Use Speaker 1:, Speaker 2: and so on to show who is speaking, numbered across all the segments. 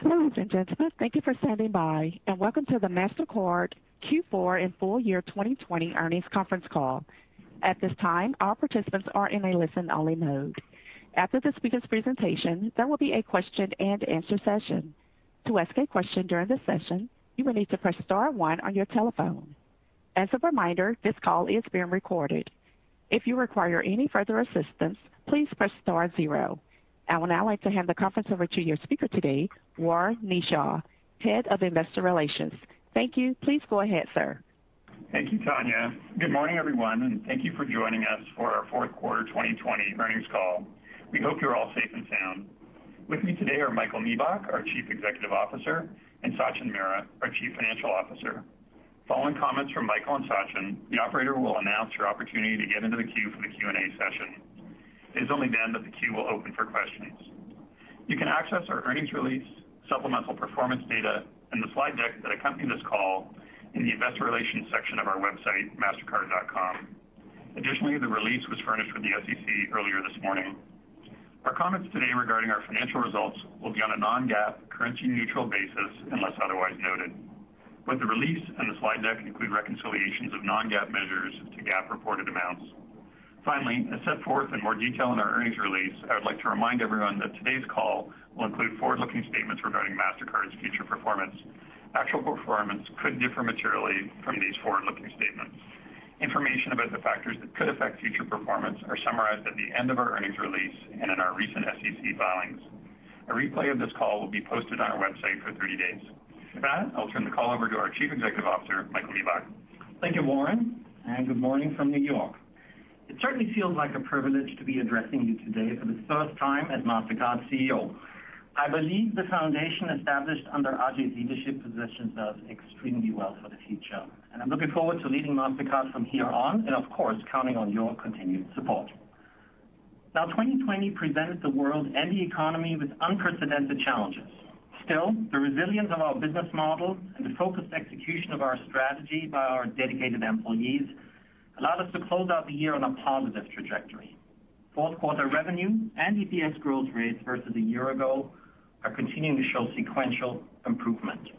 Speaker 1: Hello, ladies and gentlemen. Thank you for standing by, and welcome to the Mastercard Q4 and full year 2020 earnings conference call. At this time all participants are in a listen only mode, after the speakers presentation, there will be a question-and-answer session. To ask a question during the session, you may press star one on your telephone. As a reminder this call is being recorded, if you require any further assistance, please, please press star zero. I would now like to hand the conference over to your speaker today, Warren Kneeshaw, Head of Investor Relations. Thank you. Please go ahead, sir.
Speaker 2: Thank you, Tanya. Good morning, everyone, and thank you for joining us for our fourth quarter 2020 earnings call. We hope you're all safe and sound. With me today are Michael Miebach, our Chief Executive Officer, and Sachin Mehra, our Chief Financial Officer. Following comments from Michael and Sachin, the operator will announce your opportunity to get into the queue for the Q&A session. It is only then that the queue will open for questions. You can access our earnings release, supplemental performance data, and the slide deck that accompany this call in the investor relations section of our website, mastercard.com. Additionally, the release was furnished with the SEC earlier this morning. Our comments today regarding our financial results will be on a non-GAAP, currency-neutral basis unless otherwise noted, but the release and the slide deck include reconciliations of non-GAAP measures to GAAP-reported amounts. As set forth in more detail in our earnings release, I would like to remind everyone that today's call will include forward-looking statements regarding Mastercard's future performance. Actual performance could differ materially from these forward-looking statements. Information about the factors that could affect future performance are summarized at the end of our earnings release and in our recent SEC filings. A replay of this call will be posted on our website for three days. I'll turn the call over to our Chief Executive Officer, Michael Miebach.
Speaker 3: Thank you, Warren. Good morning from New York. It certainly feels like a privilege to be addressing you today for the first time as Mastercard's CEO. I believe the foundation established under Ajay's leadership positions us extremely well for the future, and I'm looking forward to leading Mastercard from here on and, of course, counting on your continued support. Now, 2020 presented the world and the economy with unprecedented challenges. Still, the resilience of our business model and the focused execution of our strategy by our dedicated employees allowed us to close out the year on a positive trajectory. Fourth quarter revenue and EPS growth rates versus a year ago are continuing to show sequential improvement.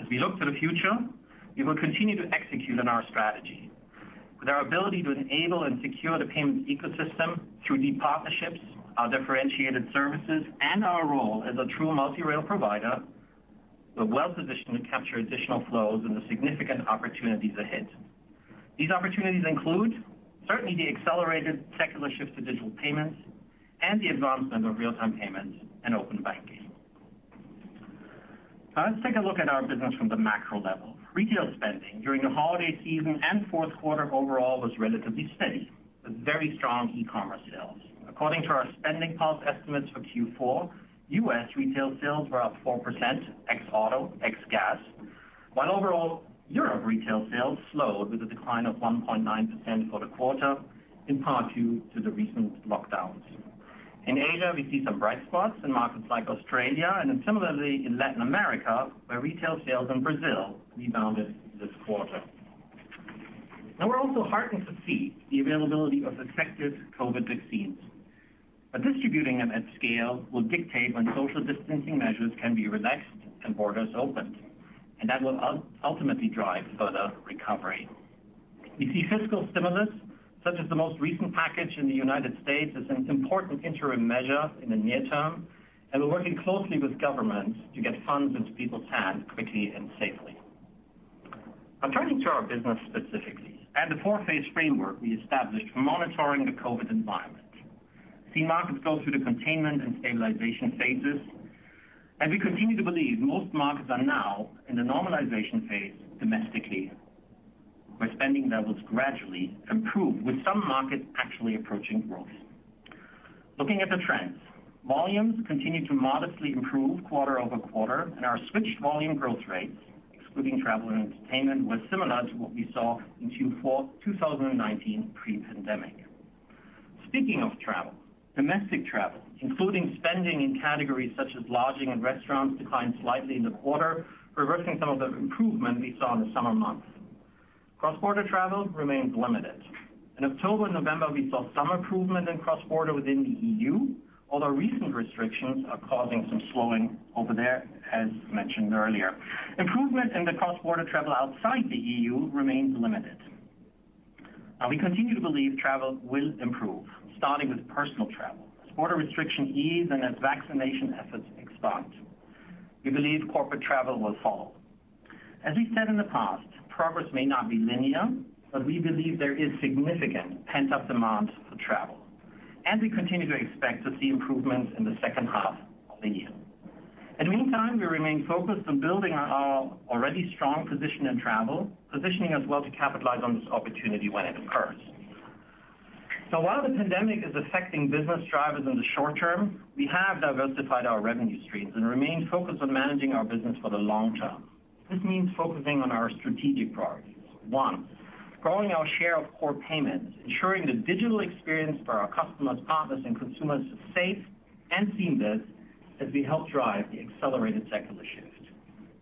Speaker 3: As we look to the future, we will continue to execute on our strategy. With our ability to enable and secure the payment ecosystem through deep partnerships, our differentiated services, and our role as a true multi-rail provider, we're well-positioned to capture additional flows and the significant opportunities ahead. These opportunities include certainly the accelerated secular shift to digital payments and the advancement of real-time payments and open banking. Let's take a look at our business from the macro level. Retail spending during the holiday season and fourth quarter overall was relatively steady, with very strong e-commerce sales. According to our SpendingPulse estimates for Q4, U.S. retail sales were up 4%, ex auto, ex gas, while overall Europe retail sales slowed with a decline of 1.9% for the quarter, in part due to the recent lockdowns. In Asia, we see some bright spots in markets like Australia and similarly in Latin America, where retail sales in Brazil rebounded this quarter. We're also heartened to see the availability of effective COVID vaccines, but distributing them at scale will dictate when social distancing measures can be relaxed and borders opened, and that will ultimately drive further recovery. We see fiscal stimulus, such as the most recent package in the United States, as an important interim measure in the near term, and we're working closely with governments to get funds into people's hands quickly and safely. Turning to our business specifically and the 4-phase framework we established for monitoring the COVID environment. We've seen markets go through the containment and stabilization phases, and we continue to believe most markets are now in the normalization phase domestically, where spending levels gradually improve, with some markets actually approaching growth. Looking at the trends, volumes continue to modestly improve quarter-over-quarter, and our switched volume growth rates, excluding travel and entertainment, were similar to what we saw in Q4 2019 pre-pandemic. Speaking of travel, domestic travel, including spending in categories such as lodging and restaurants, declined slightly in the quarter, reversing some of the improvement we saw in the summer months. Cross-border travel remains limited. In October and November, we saw some improvement in cross-border within the EU, although recent restrictions are causing some slowing over there as mentioned earlier. Improvement in the cross-border travel outside the EU remains limited. We continue to believe travel will improve, starting with personal travel, as border restriction ease and as vaccination efforts expand. We believe corporate travel will follow. As we've said in the past, progress may not be linear, but we believe there is significant pent-up demand for travel, and we continue to expect to see improvements in the second half of the year. In the meantime, we remain focused on building on our already strong position in travel, positioning us well to capitalize on this opportunity when it occurs. While the pandemic is affecting business drivers in the short term, we have diversified our revenue streams and remain focused on managing our business for the long term. This means focusing on our strategic priorities. One, growing our share of core payments, ensuring the digital experience for our customers, partners, and consumers is safe and seamless as we help drive the accelerated secular shift.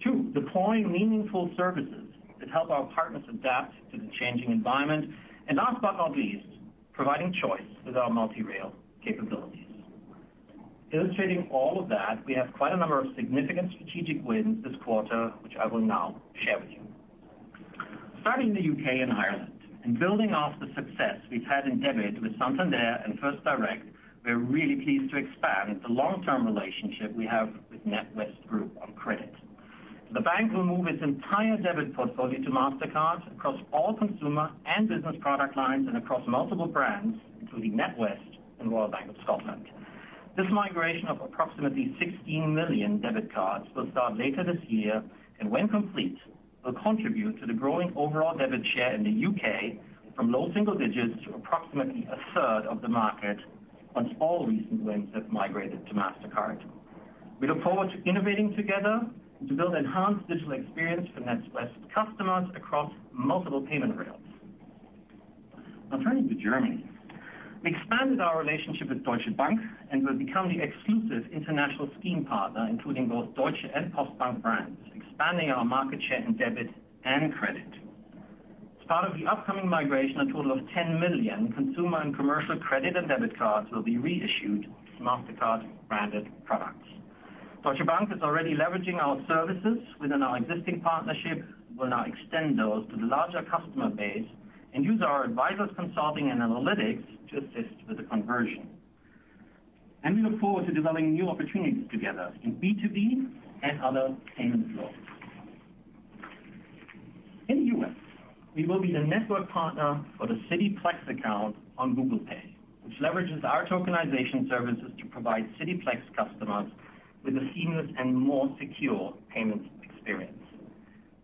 Speaker 3: Two, deploying meaningful services that help our partners adapt to the changing environment. Last but not least, providing choice with our multi-rail capabilities. Illustrating all of that, we have quite a number of significant strategic wins this quarter, which I will now share with you. Starting in the U.K. and Ireland, and building off the success we've had in debit with Santander and first direct, we are really pleased to expand the long-term relationship we have with NatWest Group on credit. The bank will move its entire debit portfolio to Mastercard across all consumer and business product lines, and across multiple brands, including NatWest and Royal Bank of Scotland. This migration of approximately 16 million debit cards will start later this year, and when complete, will contribute to the growing overall debit share in the U.K. from low single digits to approximately a third of the market, once all recent wins have migrated to Mastercard. We look forward to innovating together and to build enhanced digital experience for NatWest customers across multiple payment rails. Turning to Germany. We expanded our relationship with Deutsche Bank and will become the exclusive international scheme partner, including both Deutsche and Postbank brands, expanding our market share in debit and credit. As part of the upcoming migration, a total of 10 million consumer and commercial credit and debit cards will be reissued as Mastercard-branded products. Deutsche Bank is already leveraging our services within our existing partnership. We'll now extend those to the larger customer base and use our advisors, consulting and analytics to assist with the conversion. We look forward to developing new opportunities together in B2B and other payment flows. In the U.S., we will be the network partner for the Citi Plex account on Google Pay, which leverages our tokenization services to provide Citi Plex customers with a seamless and more secure payments experience.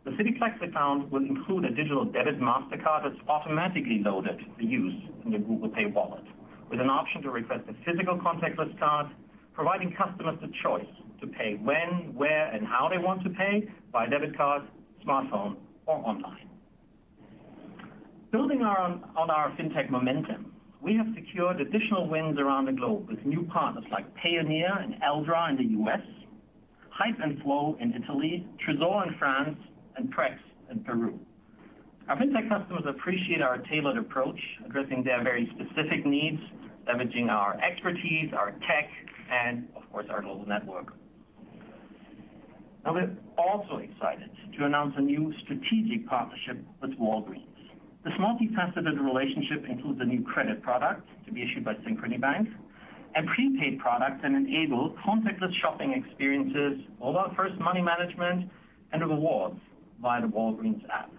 Speaker 3: The Citi Plex account will include a digital debit Mastercard that's automatically loaded for use in the Google Pay wallet, with an option to request a physical contactless card, providing customers the choice to pay when, where and how they want to pay, by debit card, smartphone, or online. Building on our fintech momentum, we have secured additional wins around the globe with new partners like Payoneer and Aeldra in the U.S., HYPE and Flowe in Italy, Treezor in France and Prex in Peru. Our fintech customers appreciate our tailored approach, addressing their very specific needs, leveraging our expertise, our tech, and of course, our global network. We're also excited to announce a new strategic partnership with Walgreens. This multifaceted relationship includes a new credit product to be issued by Synchrony Bank, a prepaid product that enable contactless shopping experiences, mobile-first money management and rewards via the Walgreens app.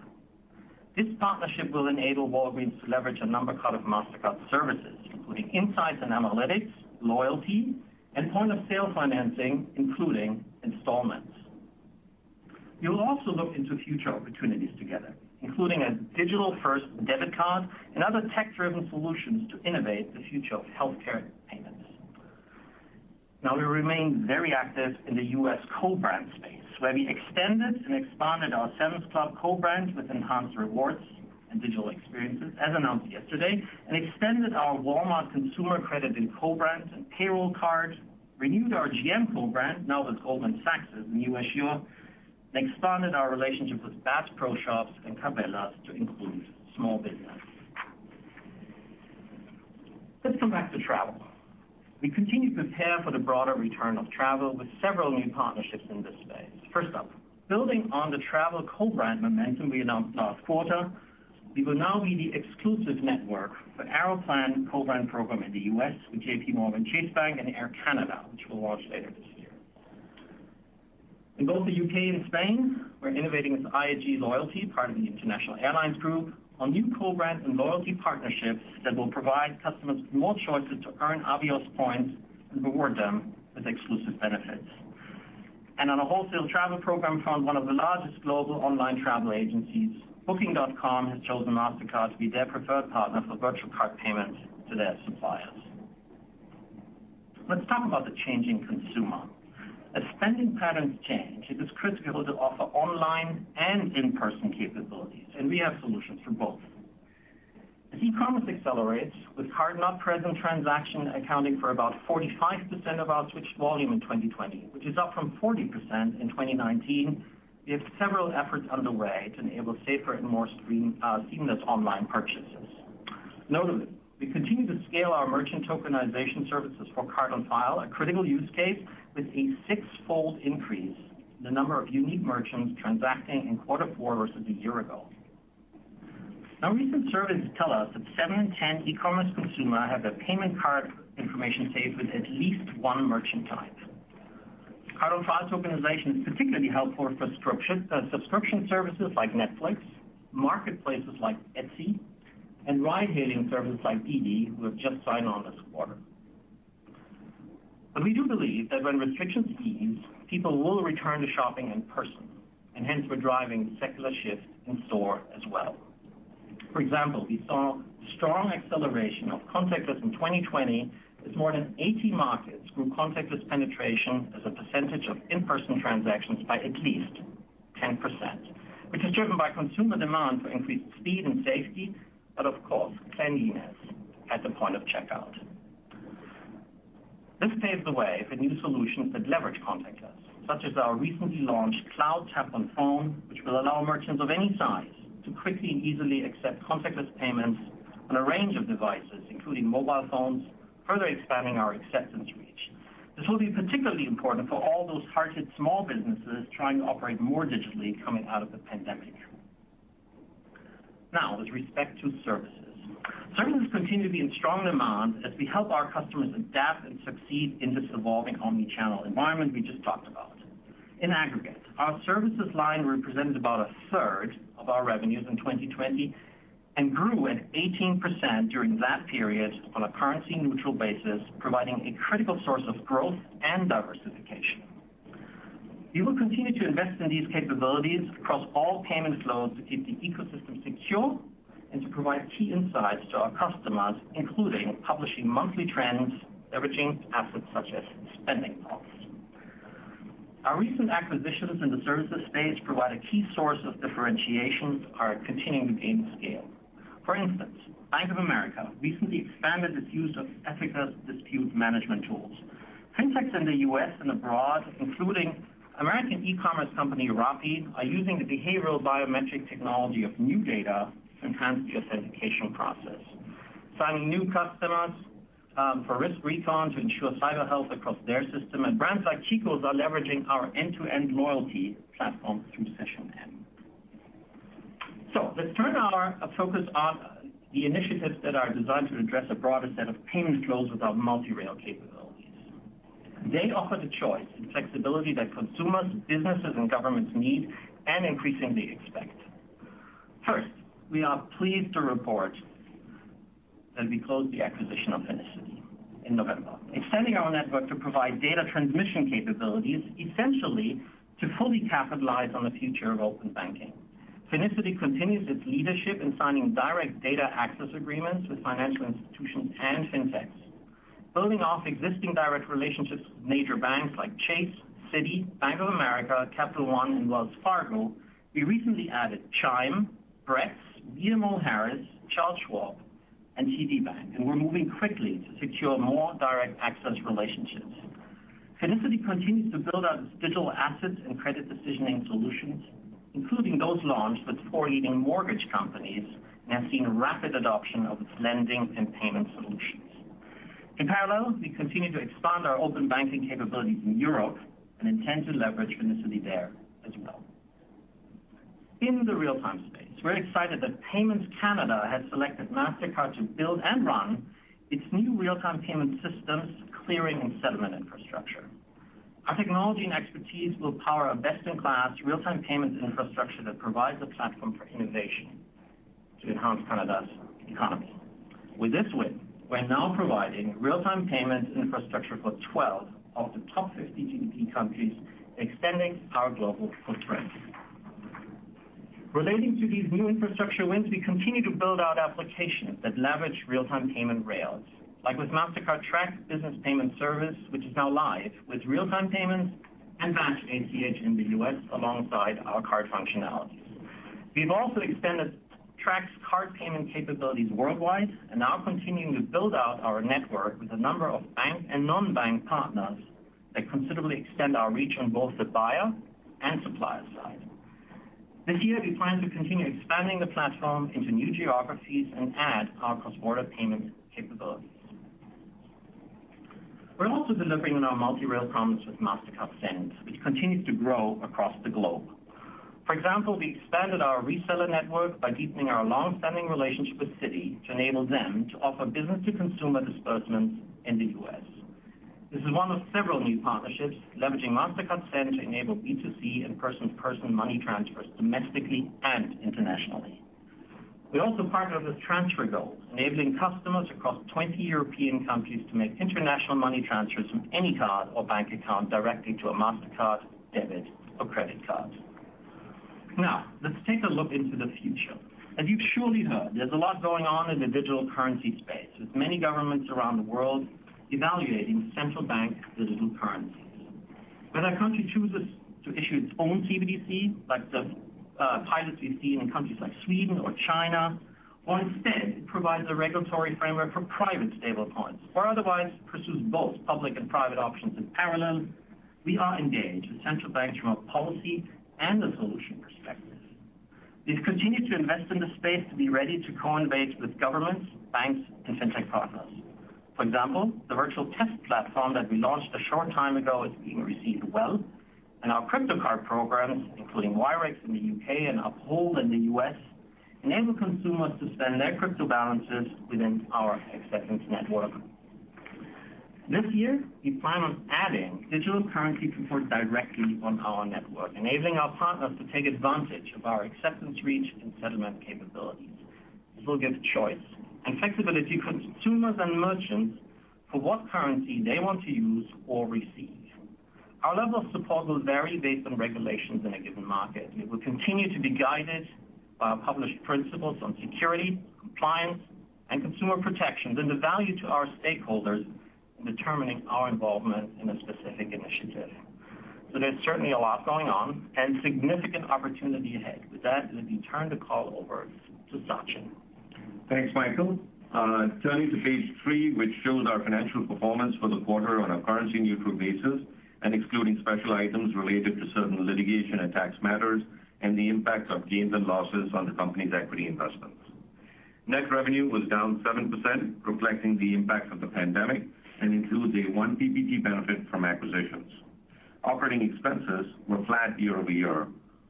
Speaker 3: This partnership will enable Walgreens to leverage a number of Mastercard services, including insights and analytics, loyalty, and point-of-sale financing, including installments. We will also look into future opportunities together, including a digital-first debit card and other tech-driven solutions to innovate the future of healthcare payments. We remain very active in the U.S. co-brand space, where we extended and expanded our Sam's Club co-brand with enhanced rewards and digital experiences, as announced yesterday, and extended our Walmart consumer credit and co-brand and payroll card, renewed our GM co-brand, now with Goldman Sachs as the new issuer, and expanded our relationship with Bass Pro Shops and Cabela's to include small business. Let's come back to travel. We continue to prepare for the broader return of travel with several new partnerships in this space. First up, building on the travel co-brand momentum we announced last quarter, we will now be the exclusive network for Aeroplan co-brand program in the U.S. with JPMorgan Chase Bank and Air Canada, which will launch later this year. In both the U.K. and Spain, we're innovating with IAG Loyalty, part of the International Airlines Group, on new co-brand and loyalty partnerships that will provide customers with more choices to earn Avios points and reward them with exclusive benefits. On a wholesale travel program front, one of the largest global online travel agencies, booking.com, has chosen Mastercard to be their preferred partner for virtual card payments to their suppliers. Let's talk about the changing consumer. As spending patterns change, it is critical to offer online and in-person capabilities, and we have solutions for both. As e-commerce accelerates with card-not-present transaction accounting for about 45% of our switched volume in 2020, which is up from 40% in 2019, we have several efforts underway to enable safer and more seamless online purchases. Notably, we continue to scale our merchant tokenization services for card on file, a critical use case with a sixfold increase in the number of unique merchants transacting in quarter four versus a year ago. Recent surveys tell us that seven in 10 e-commerce consumer have their payment card information saved with at least one merchant type. card on file tokenization is particularly helpful for subscription services like Netflix, marketplaces like Etsy, and ride-hailing services like DiDi, who have just signed on this quarter. We do believe that when restrictions ease, people will return to shopping in person, and hence we're driving secular shifts in-store as well. For example, we saw strong acceleration of contactless in 2020 as more than 80 markets grew contactless penetration as a percentage of in-person transactions by at least 10%, which is driven by consumer demand for increased speed and safety, but of course, cleanliness at the point of checkout. This paves the way for new solutions that leverage contactless, such as our recently launched Cloud Tap on Phone, which will allow merchants of any size to quickly and easily accept contactless payments on a range of devices, including mobile phones, further expanding our acceptance reach. This will be particularly important for all those hard-hit small businesses trying to operate more digitally coming out of the pandemic. Now, with respect to services. Services continue to be in strong demand as we help our customers adapt and succeed in this evolving omni-channel environment we just talked about. In aggregate, our services line represented about a third of our revenues in 2020 and grew at 18% during that period on a currency-neutral basis, providing a critical source of growth and diversification. We will continue to invest in these capabilities across all payments flows to keep the ecosystem secure and to provide key insights to our customers, including publishing monthly trends leveraging assets such as SpendingPulse. Our recent acquisitions in the services space provide a key source of differentiation and are continuing to gain scale. For instance, Bank of America recently expanded its use of Ethoca's dispute management tools. Fintechs in the U.S. and abroad, including American e-commerce company, Rappi, are using the behavioral biometric technology of NuData to enhance the authentication process. Signing new customers for RiskRecon to ensure cyber health across their system, and brands like Chico's are leveraging our end-to-end loyalty platform through SessionM. Let's turn our focus on the initiatives that are designed to address a broader set of payments flows with our multi-rail capabilities. They offer the choice and flexibility that consumers, businesses, and governments need and increasingly expect. First, we are pleased to report that we closed the acquisition of Finicity in November, extending our network to provide data transmission capabilities, essentially to fully capitalize on the future of open banking. Finicity continues its leadership in signing direct data access agreements with financial institutions and fintechs. Building off existing direct relationships with major banks like Chase, Citi, Bank of America, Capital One, and Wells Fargo, we recently added Chime, Brex, BMO Harris, Charles Schwab, and TD Bank, and we're moving quickly to secure more direct access relationships. Finicity continues to build out its digital assets and credit decisioning solutions, including those launched with four leading mortgage companies, and have seen rapid adoption of its lending and payment solutions. In parallel, we continue to expand our open banking capabilities in Europe and intend to leverage Finicity there as well. In the real-time space, we're excited that Payments Canada has selected Mastercard to build and run its new real-time payment systems, clearing and settlement infrastructure. Our technology and expertise will power a best-in-class real-time payments infrastructure that provides a platform for innovation to enhance Canada's economy. With this win, we're now providing real-time payments infrastructure for 12 of the top 50 GDP countries, extending our global footprint. Relating to these new infrastructure wins, we continue to build out applications that leverage real-time payment rails, like with Mastercard Track business payment service, which is now live with real-time payments and batch ACH in the U.S. alongside our card functionalities. We've also extended Track's card payment capabilities worldwide and are continuing to build out our network with a number of bank and non-bank partners that considerably extend our reach on both the buyer and supplier side. This year, we plan to continue expanding the platform into new geographies and add our cross-border payment capabilities. We're also delivering on our multi-rail promise with Mastercard Send, which continues to grow across the globe. For example, we expanded our reseller network by deepening our long-standing relationship with Citi to enable them to offer business-to-consumer disbursements in the U.S. This is one of several new partnerships leveraging Mastercard Send to enable B2C and person-to-person money transfers domestically and internationally. We also partnered with TransferGo, enabling customers across 20 European countries to make international money transfers from any card or bank account directly to a Mastercard debit or credit card. Let's take a look into the future. As you've surely heard, there's a lot going on in the digital currency space, with many governments around the world evaluating central bank digital currencies. Whether a country chooses to issue its own CBDC, like the pilots we've seen in countries like Sweden or China, or instead provides a regulatory framework for private stablecoins, or otherwise pursues both public and private options in parallel, we are engaged with central banks from a policy and a solution perspective. We've continued to invest in this space to be ready to co-innovate with governments, banks, and fintech partners. For example, the virtual test platform that we launched a short time ago is being received well. Our crypto card programs, including Wirex in the U.K. and Uphold in the U.S., enable consumers to spend their crypto balances within our acceptance network. This year, we plan on adding digital currency support directly on our network, enabling our partners to take advantage of our acceptance reach and settlement capabilities. This will give choice and flexibility for consumers and merchants for what currency they want to use or receive. Our level of support will vary based on regulations in a given market, we will continue to be guided by our published principles on security, compliance, and consumer protection, and the value to our stakeholders in determining our involvement in a specific initiative. There's certainly a lot going on and significant opportunity ahead. With that, let me turn the call over to Sachin.
Speaker 4: Thanks, Michael. Turning to page three, which shows our financial performance for the quarter on a currency-neutral basis and excluding special items related to certain litigation and tax matters and the impact of gains and losses on the company's equity investments. Net revenue was down 7%, reflecting the impact of the pandemic, and includes a 1 percentage point benefit from acquisitions. Operating expenses were flat year-over-year,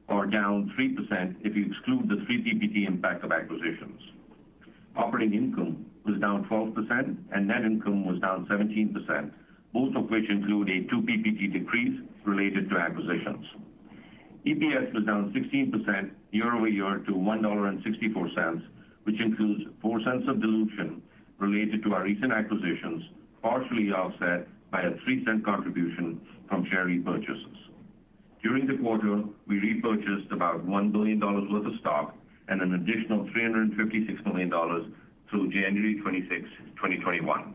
Speaker 4: or down 3% if you exclude the 3 percentage points impact of acquisitions. Operating income was down 12% and net income was down 17%, both of which include a 2 percentage points decrease related to acquisitions. EPS was down 16% year-over-year to $1.64, which includes $0.04 of dilution related to our recent acquisitions, partially offset by a $0.03 contribution from share repurchases. During the quarter, we repurchased about $1 billion worth of stock and an additional $356 million through January 26th, 2021.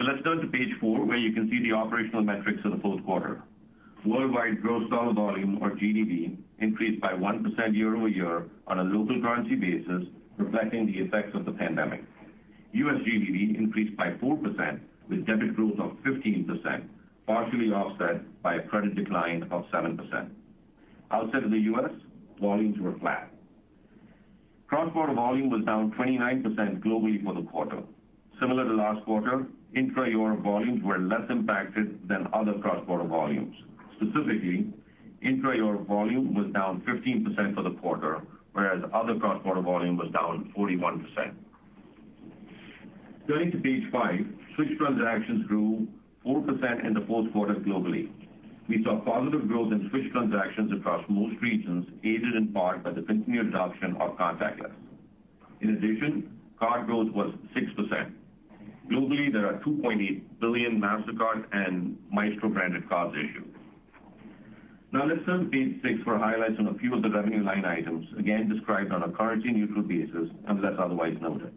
Speaker 4: Let's turn to page four, where you can see the operational metrics for the fourth quarter. Worldwide gross dollar volume, or GDV, increased by 1% year-over-year on a local currency basis, reflecting the effects of the pandemic. U.S. GDV increased by 4%, with debit growth of 15%, partially offset by a credit decline of 7%. Outside of the U.S., volumes were flat. Cross-border volume was down 29% globally for the quarter. Similar to last quarter, intra-Europe volumes were less impacted than other cross-border volumes. Specifically, intra-Europe volume was down 15% for the quarter, whereas other cross-border volume was down 41%. Turning to page five, switch transactions grew 4% in the fourth quarter globally. We saw positive growth in switch transactions across most regions, aided in part by the continued adoption of contactless. In addition, card growth was 6%. Globally, there are 2.8 billion Mastercard and Maestro-branded cards issued. Now let's turn to page six for highlights on a few of the revenue line items, again described on a currency-neutral basis unless otherwise noted.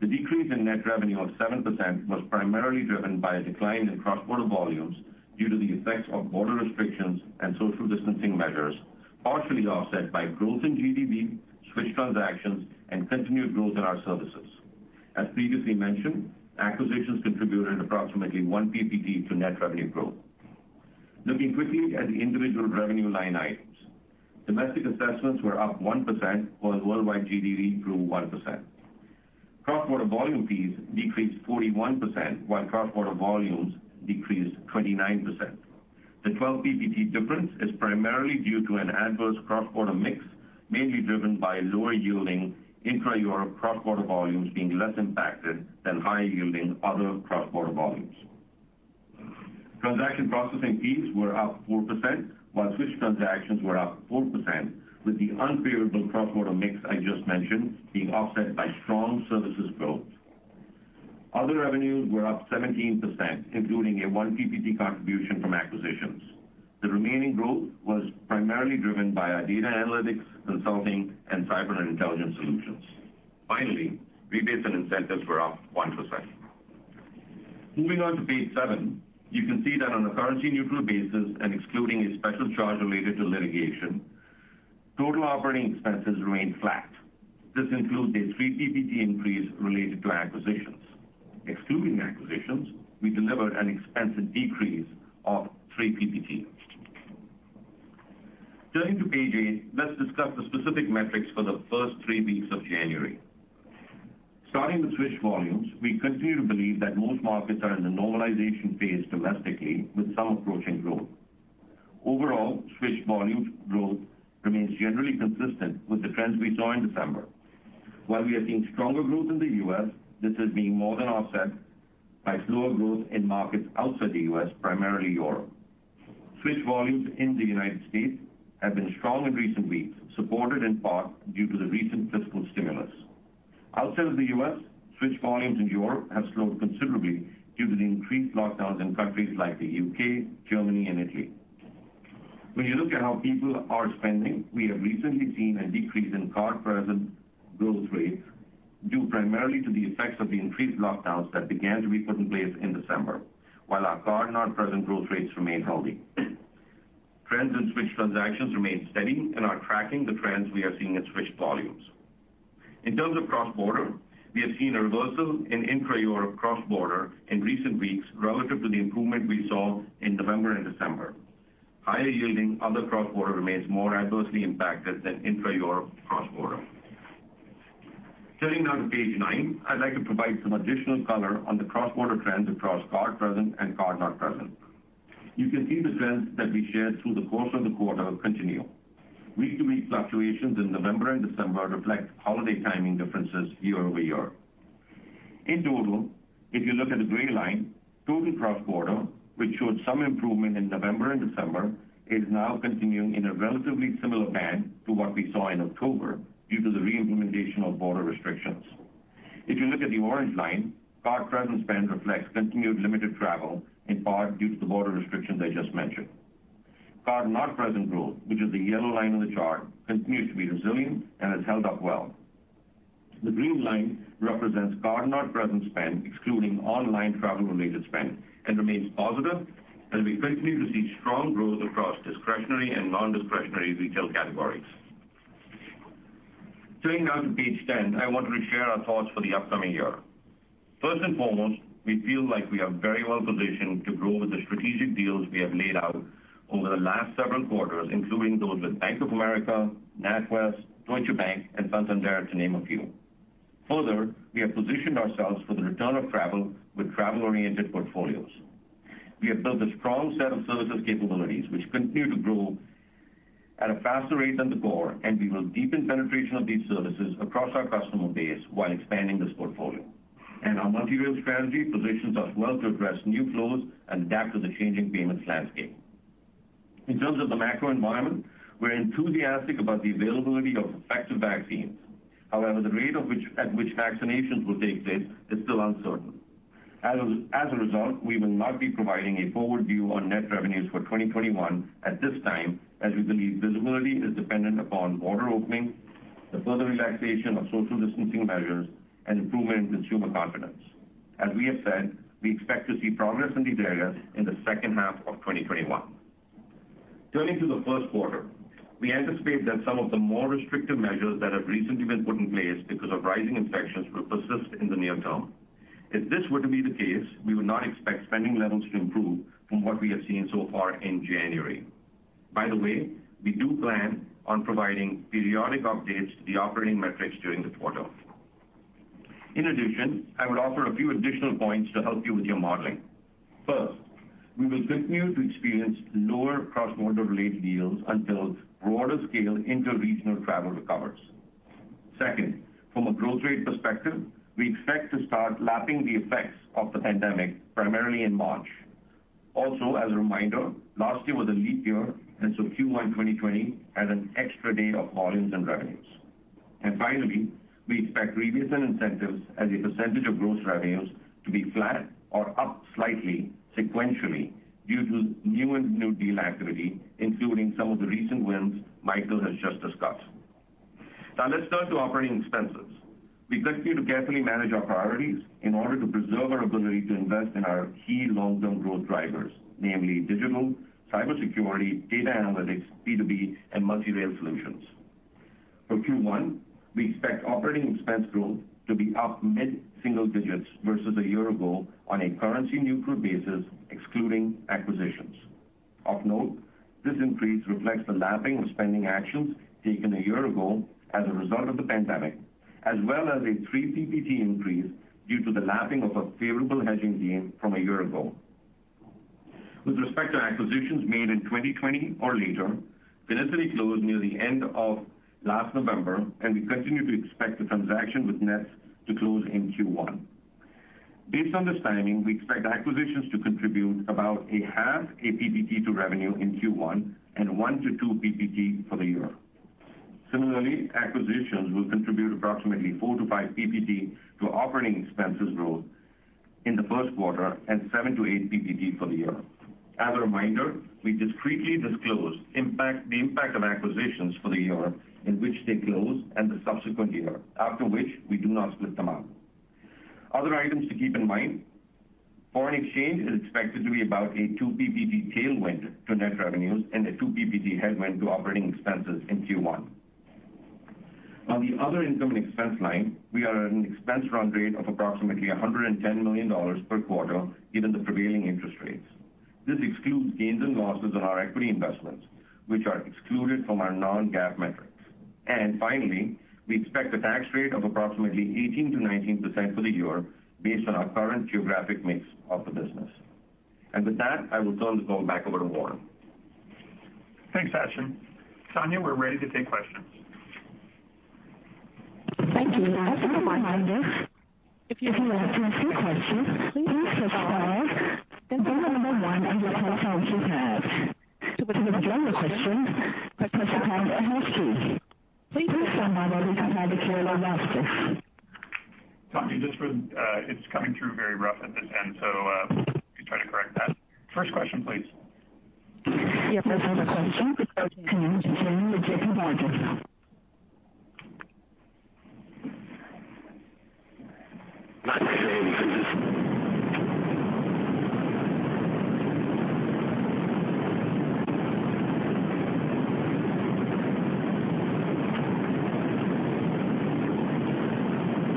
Speaker 4: The decrease in net revenue of 7% was primarily driven by a decline in cross-border volumes due to the effects of border restrictions and social distancing measures, partially offset by growth in GDV, switch transactions, and continued growth in our services. As previously mentioned, acquisitions contributed approximately 1 percentage point to net revenue growth. Looking quickly at the individual revenue line items. Domestic assessments were up 1% while worldwide GDV grew 1%. Cross-border volume fees decreased 41%, while cross-border volumes decreased 29%. The 12 percentage points difference is primarily due to an adverse cross-border mix, mainly driven by lower-yielding intra-Europe cross-border volumes being less impacted than higher-yielding other cross-border volumes. Transaction processing fees were up 4%, while switch transactions were up 4%, with the unfavorable cross-border mix I just mentioned being offset by strong services growth. Other revenues were up 17%, including a 1 percentage point contribution from acquisitions. The remaining growth was primarily driven by our data analytics, consulting, and cyber intelligence solutions. Rebates and incentives were up 1%. Moving on to page seven, you can see that on a currency-neutral basis and excluding a special charge related to litigation, total operating expenses remained flat. This includes a 3 percentage points increase related to acquisitions. Excluding acquisitions, we delivered an expense decrease of 3 percentage points. Turning to page eight, let's discuss the specific metrics for the first three weeks of January. Starting with switch volumes, we continue to believe that most markets are in the normalization phase domestically, with some approaching growth. Overall, switch volume growth remains generally consistent with the trends we saw in December. While we are seeing stronger growth in the U.S., this is being more than offset by slower growth in markets outside the U.S., primarily Europe. Switch volumes in the United States have been strong in recent weeks, supported in part due to the recent fiscal stimulus. Outside of the U.S. switch volumes in Europe have slowed considerably due to the increased lockdowns in countries like the U.K., Germany and Italy. When you look at how people are spending, we have recently seen a decrease in card-present growth rates due primarily to the effects of the increased lockdowns that began to be put in place in December. While our card-not-present growth rates remain healthy. Trends in switch transactions remain steady and are tracking the trends we are seeing in switch volumes. In terms of cross-border, we have seen a reversal in intra-Europe cross-border in recent weeks relative to the improvement we saw in November and December. Higher-yielding other cross-border remains more adversely impacted than intra-Europe cross-border. Turning now to page nine, I'd like to provide some additional color on the cross-border trends across card present and card-not-present. You can see the trends that we shared through the course of the quarter continue. Week-to-week fluctuations in November and December reflect holiday timing differences year-over-year. In total, if you look at the gray line, total cross-border, which showed some improvement in November and December, is now continuing in a relatively similar band to what we saw in October due to the re-implementation of border restrictions. If you look at the orange line, card-present spend reflects continued limited travel, in part due to the border restrictions I just mentioned. Card-not-present growth, which is the yellow line on the chart, continues to be resilient and has held up well. The green line represents card-not-present spend, excluding online travel-related spend, and remains positive as we continue to see strong growth across discretionary and non-discretionary retail categories. Turning now to page 10, I wanted to share our thoughts for the upcoming year. First and foremost, we feel like we are very well-positioned to grow with the strategic deals we have laid out over the last several quarters, including those with Bank of America, NatWest, Deutsche Bank, and Santander, to name a few. Further, we have positioned ourselves for the return of travel with travel-oriented portfolios. We have built a strong set of services capabilities which continue to grow at a faster rate than the core, and we will deepen penetration of these services across our customer base while expanding this portfolio. Our multi-rail strategy positions us well to address new flows and adapt to the changing payments landscape. In terms of the macro environment, we're enthusiastic about the availability of effective vaccines. However, the rate at which vaccinations will take place is still uncertain. As a result, we will not be providing a forward view on net revenues for 2021 at this time, as we believe visibility is dependent upon border opening, the further relaxation of social distancing measures, and improvement in consumer confidence. As we have said, we expect to see progress in these areas in the second half of 2021. Turning to the first quarter, we anticipate that some of the more restrictive measures that have recently been put in place because of rising infections will persist in the near term. If this were to be the case, we would not expect spending levels to improve from what we have seen so far in January. By the way, we do plan on providing periodic updates to the operating metrics during the quarter. In addition, I would offer a few additional points to help you with your modeling. First, we will continue to experience lower cross-border related deals until broader scale inter-regional travel recovers. Second, from a growth rate perspective, we expect to start lapping the effects of the pandemic primarily in March. Also, as a reminder, last year was a leap year, and so Q1 2020 had an extra day of volumes and revenues. Finally, we expect rebates and incentives as a percentage of gross revenues to be flat or up slightly sequentially due to new and renewed deal activity, including some of the recent wins Michael has just discussed. Let's turn to operating expenses. We continue to carefully manage our priorities in order to preserve our ability to invest in our key long-term growth drivers, namely digital, cybersecurity, data analytics, B2B, and multi-rail solutions. For Q1, we expect operating expense growth to be up mid-single digits versus a year ago on a currency-neutral basis, excluding acquisitions. Of note, this increase reflects the lapping of spending actions taken a year ago as a result of the pandemic, as well as a 3 percentage points increase due to the lapping of a favorable hedging gain from a year ago. With respect to acquisitions made in 2020 or later, Finicity closed near the end of last November, and we continue to expect the transaction with Nets to close in Q1. Based on this timing, we expect acquisitions to contribute about 0.5 percentage point To revenue in Q1 and 1-2 percentage points for the year. Similarly, acquisitions will contribute approximately 4-5 percentage points to operating expenses growth in the first quarter and 7-8 percentage points for the year. As a reminder, we discretely disclose the impact of acquisitions for the year in which they close and the subsequent year, after which we do not split them out. Other items to keep in mind, foreign exchange is expected to be about a 2 percentage points tailwind to net revenues and a 2 percentage points headwind to operating expenses in Q1. On the other income and expense line, we are at an expense run rate of approximately $110 million per quarter given the prevailing interest rates. This excludes gains and losses on our equity investments, which are excluded from our non-GAAP metrics. Finally, we expect a tax rate of approximately 18%-19% for the year based on our current geographic mix of the business. With that, I will turn the call back over to Warren.
Speaker 2: Thanks, Sachin. Tanya, we're ready to take questions.
Speaker 1: Thank you. As a reminder, if you would like to ask a question, please press star, then dial number one on your telephone keypad. To withdraw your question, press star and hashtag. Please stand by while we prepare the call roster.
Speaker 2: Tanya, it's coming through very rough at this end, so can you try to correct that? First question, please.
Speaker 1: Your first question comes from the line with JPMorgan.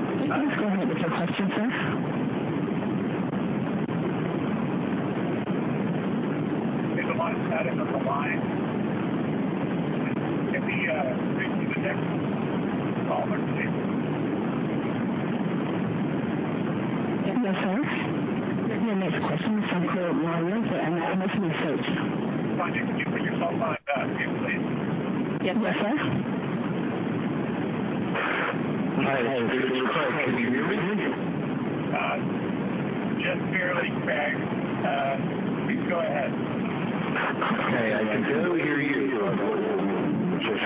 Speaker 1: Please go ahead with your question, sir.
Speaker 4: There's a lot of static on the line.
Speaker 1: Yes, sir. Your next question is from Claire Williams at Autonomous Research.
Speaker 2: Tanya, could you put your cell phone on mute, please?
Speaker 1: Yes, sir.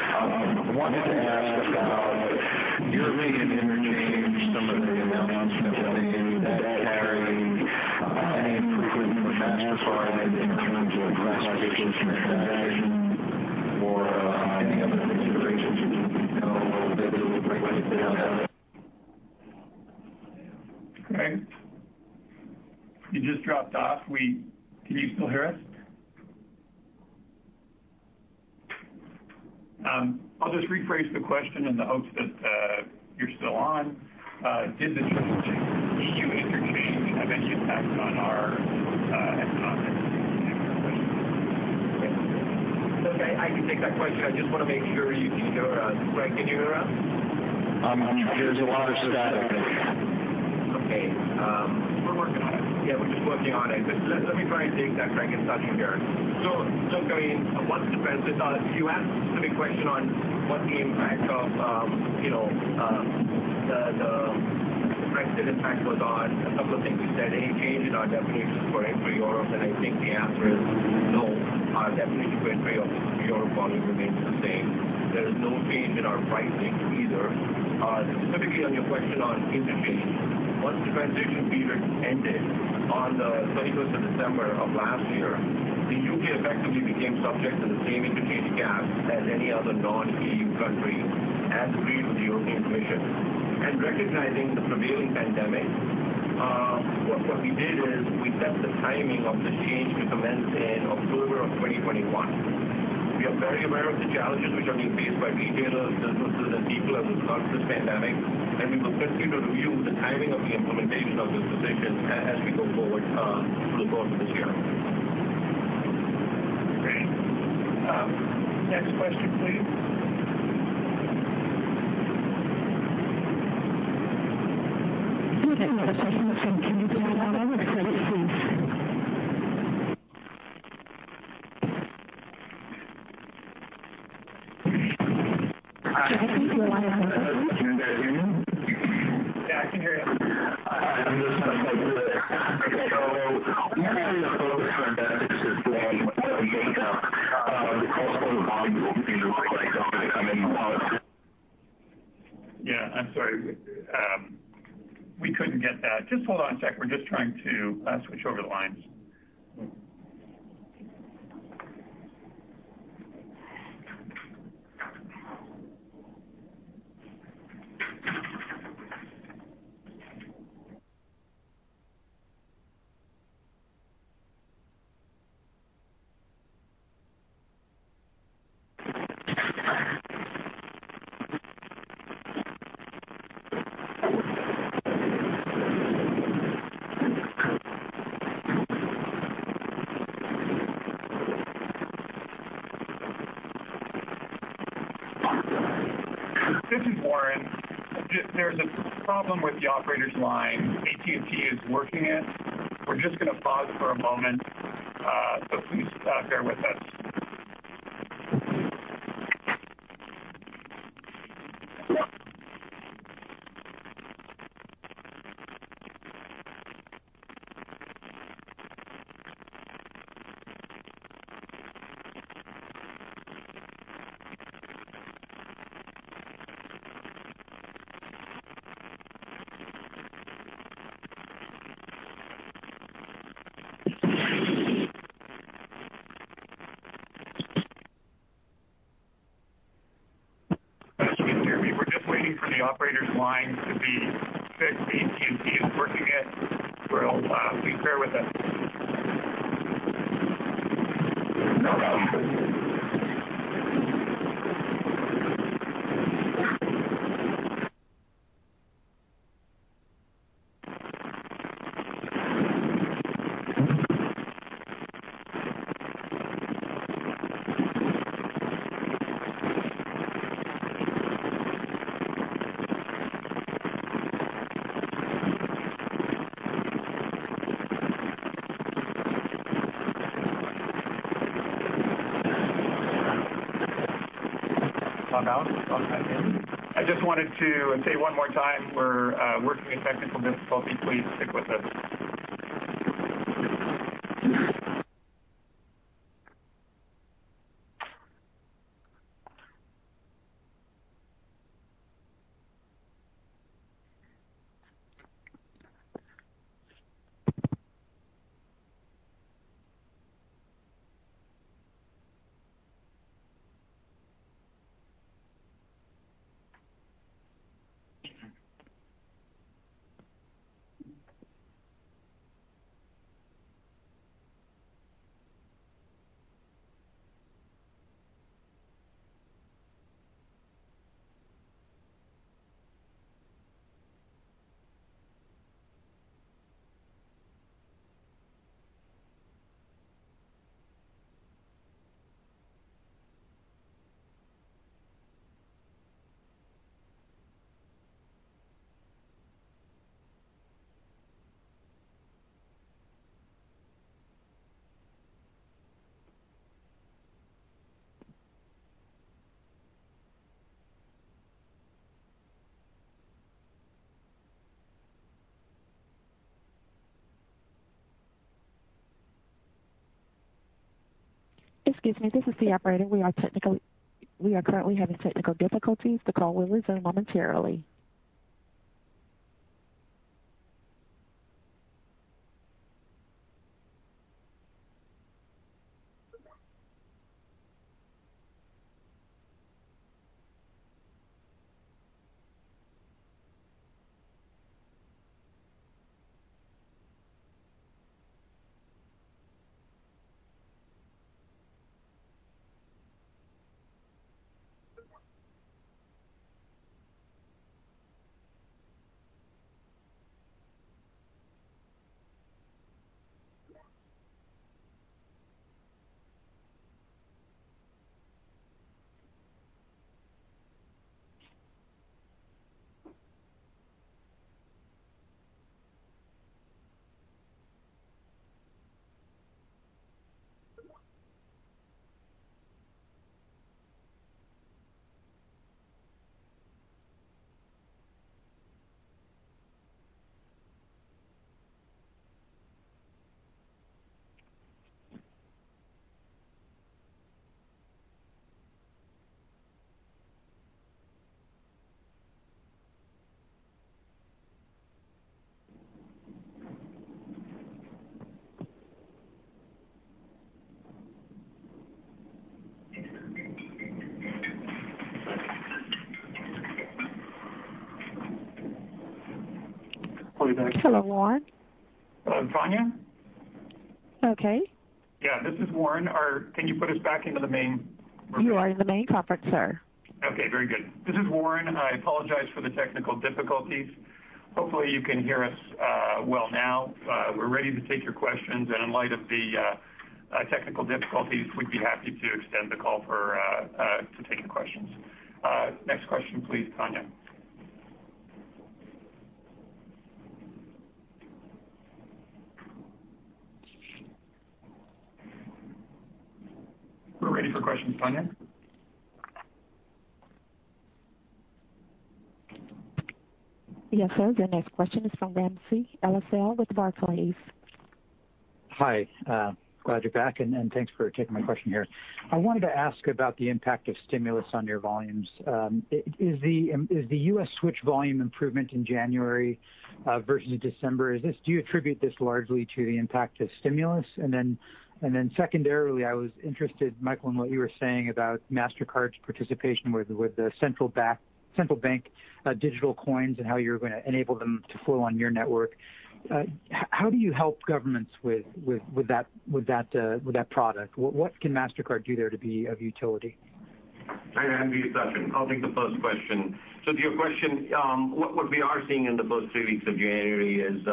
Speaker 5: Hi. This is Claire. Can you hear me?
Speaker 2: Just barely, Claire. Please go ahead.
Speaker 5: Okay. Okay. Wanted to ask about your EU interchange, some of the announcements have been that carry any improvement from Mastercard in terms of classification of transactions
Speaker 2: Claire, you just dropped off. Can you still hear us? I'll just rephrase the question in the hopes that you're still on. Did the change in EU interchange have any impact on our economics?
Speaker 4: Okay. I can take that question. I just want to make sure you can hear us. Claire, can you hear us?
Speaker 5: There's a lot of static. Okay.
Speaker 2: We're working on it.
Speaker 4: Yeah, we're just working on it. Let me try and take that, Craire. It's Sachin here. Look, I mean, you asked me a question on what the impact of the Brexit impact was on a couple of things. You said any change in our definition for intra-Europe, I think the answer is no. Our definition for entry of Europe volume remains the same. There is no change in our pricing either. Specifically on your question on interchange, once the transition period ended on the 31st of December of last year, the U.K. effectively became subject to the same interchange caps as any other non-EU country, as agreed with the European Commission. Recognizing the prevailing pandemic, what we did is we set the timing of this change to commence in October of 2021. We are very aware of the challenges which are being faced by retailers, businesses, and people as a result of this pandemic, and we will continue to review the timing of the implementation of this decision as we go forward through the course of this year.
Speaker 2: Okay. Next question, please.
Speaker 6: what the makeup of the cross-border volume that we see request is going to come in.
Speaker 2: Yeah, I'm sorry. We couldn't get that. Just hold on a sec, we're just trying to switch over the lines. This is Warren. There's a problem with the operator's line. AT&T is working it. We're just going to pause for a moment, so please bear with us. If you can hear me, we're just waiting for the operator's line to be fixed. AT&T is working it. Please bear with us. I just wanted to say one more time, we're working a technical difficulty. Please stick with us.
Speaker 1: Excuse me, this is the operator. We are currently having technical difficulties. The call will resume momentarily.
Speaker 2: Hello, there.
Speaker 1: Hello, Warren.
Speaker 2: Hello, Tanya?
Speaker 1: Okay.
Speaker 2: Yeah, this is Warren. Can you put us back into the main room?
Speaker 1: You are in the main conference, sir.
Speaker 2: Okay, very good. This is Warren. I apologize for the technical difficulties. Hopefully, you can hear us well now. We're ready to take your questions, and in light of the technical difficulties, we'd be happy to extend the call to take your questions. Next question please, Tanya. We're ready for questions, Tanya.
Speaker 1: Yes, sir. The next question is from Ramsey El-Assal with Barclays.
Speaker 7: Hi. Glad you're back, thanks for taking my question here. I wanted to ask about the impact of stimulus on your volumes. Is the U.S. switch volume improvement in January versus December, do you attribute this largely to the impact of stimulus? Secondarily, I was interested, Michael, in what you were saying about Mastercard's participation with the central bank digital coins and how you're going to enable them to flow on your network. How do you help governments with that product? What can Mastercard do there to be of utility?
Speaker 4: Hi, Ramsey. Its Sachin. I'll take the first question. To your question, what we are seeing in the first three weeks of January is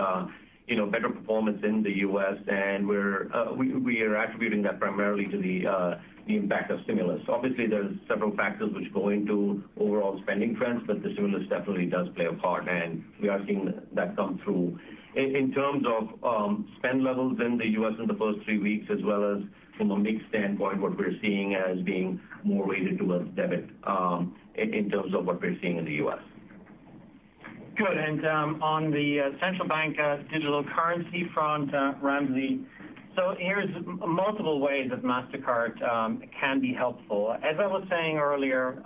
Speaker 4: better performance in the U.S., and we are attributing that primarily to the impact of stimulus. Obviously, there's several factors which go into overall spending trends, but the stimulus definitely does play a part, and we are seeing that come through. In terms of spend levels in the U.S. in the first three weeks as well as from a mix standpoint, what we're seeing as being more weighted towards debit, in terms of what we're seeing in the U.S.
Speaker 3: Good. On the central bank digital currency front, Ramsey, here is multiple ways that Mastercard can be helpful. As I was saying earlier,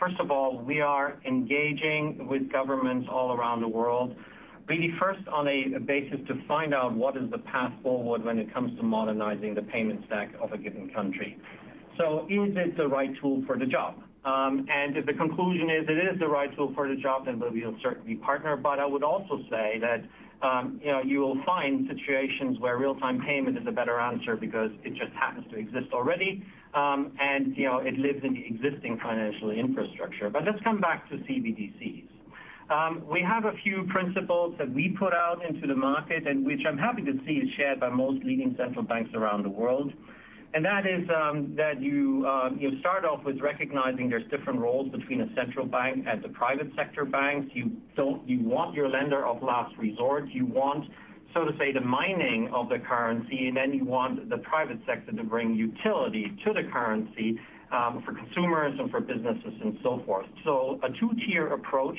Speaker 3: first of all, we are engaging with governments all around the world, really first on a basis to find out what is the path forward when it comes to modernizing the payment stack of a given country. Is it the right tool for the job? If the conclusion is it is the right tool for the job, we'll certainly partner. I would also say that you will find situations where real-time payment is a better answer because it just happens to exist already, and it lives in the existing financial infrastructure. Let's come back to CBDCs. We have a few principles that we put out into the market and which I'm happy to see is shared by most leading central banks around the world, and that is that you start off with recognizing there's different roles between a central bank and the private sector banks. You want your lender of last resort. You want, so to say, the mining of the currency, and then you want the private sector to bring utility to the currency, for consumers and for businesses and so forth. So a two-tier approach.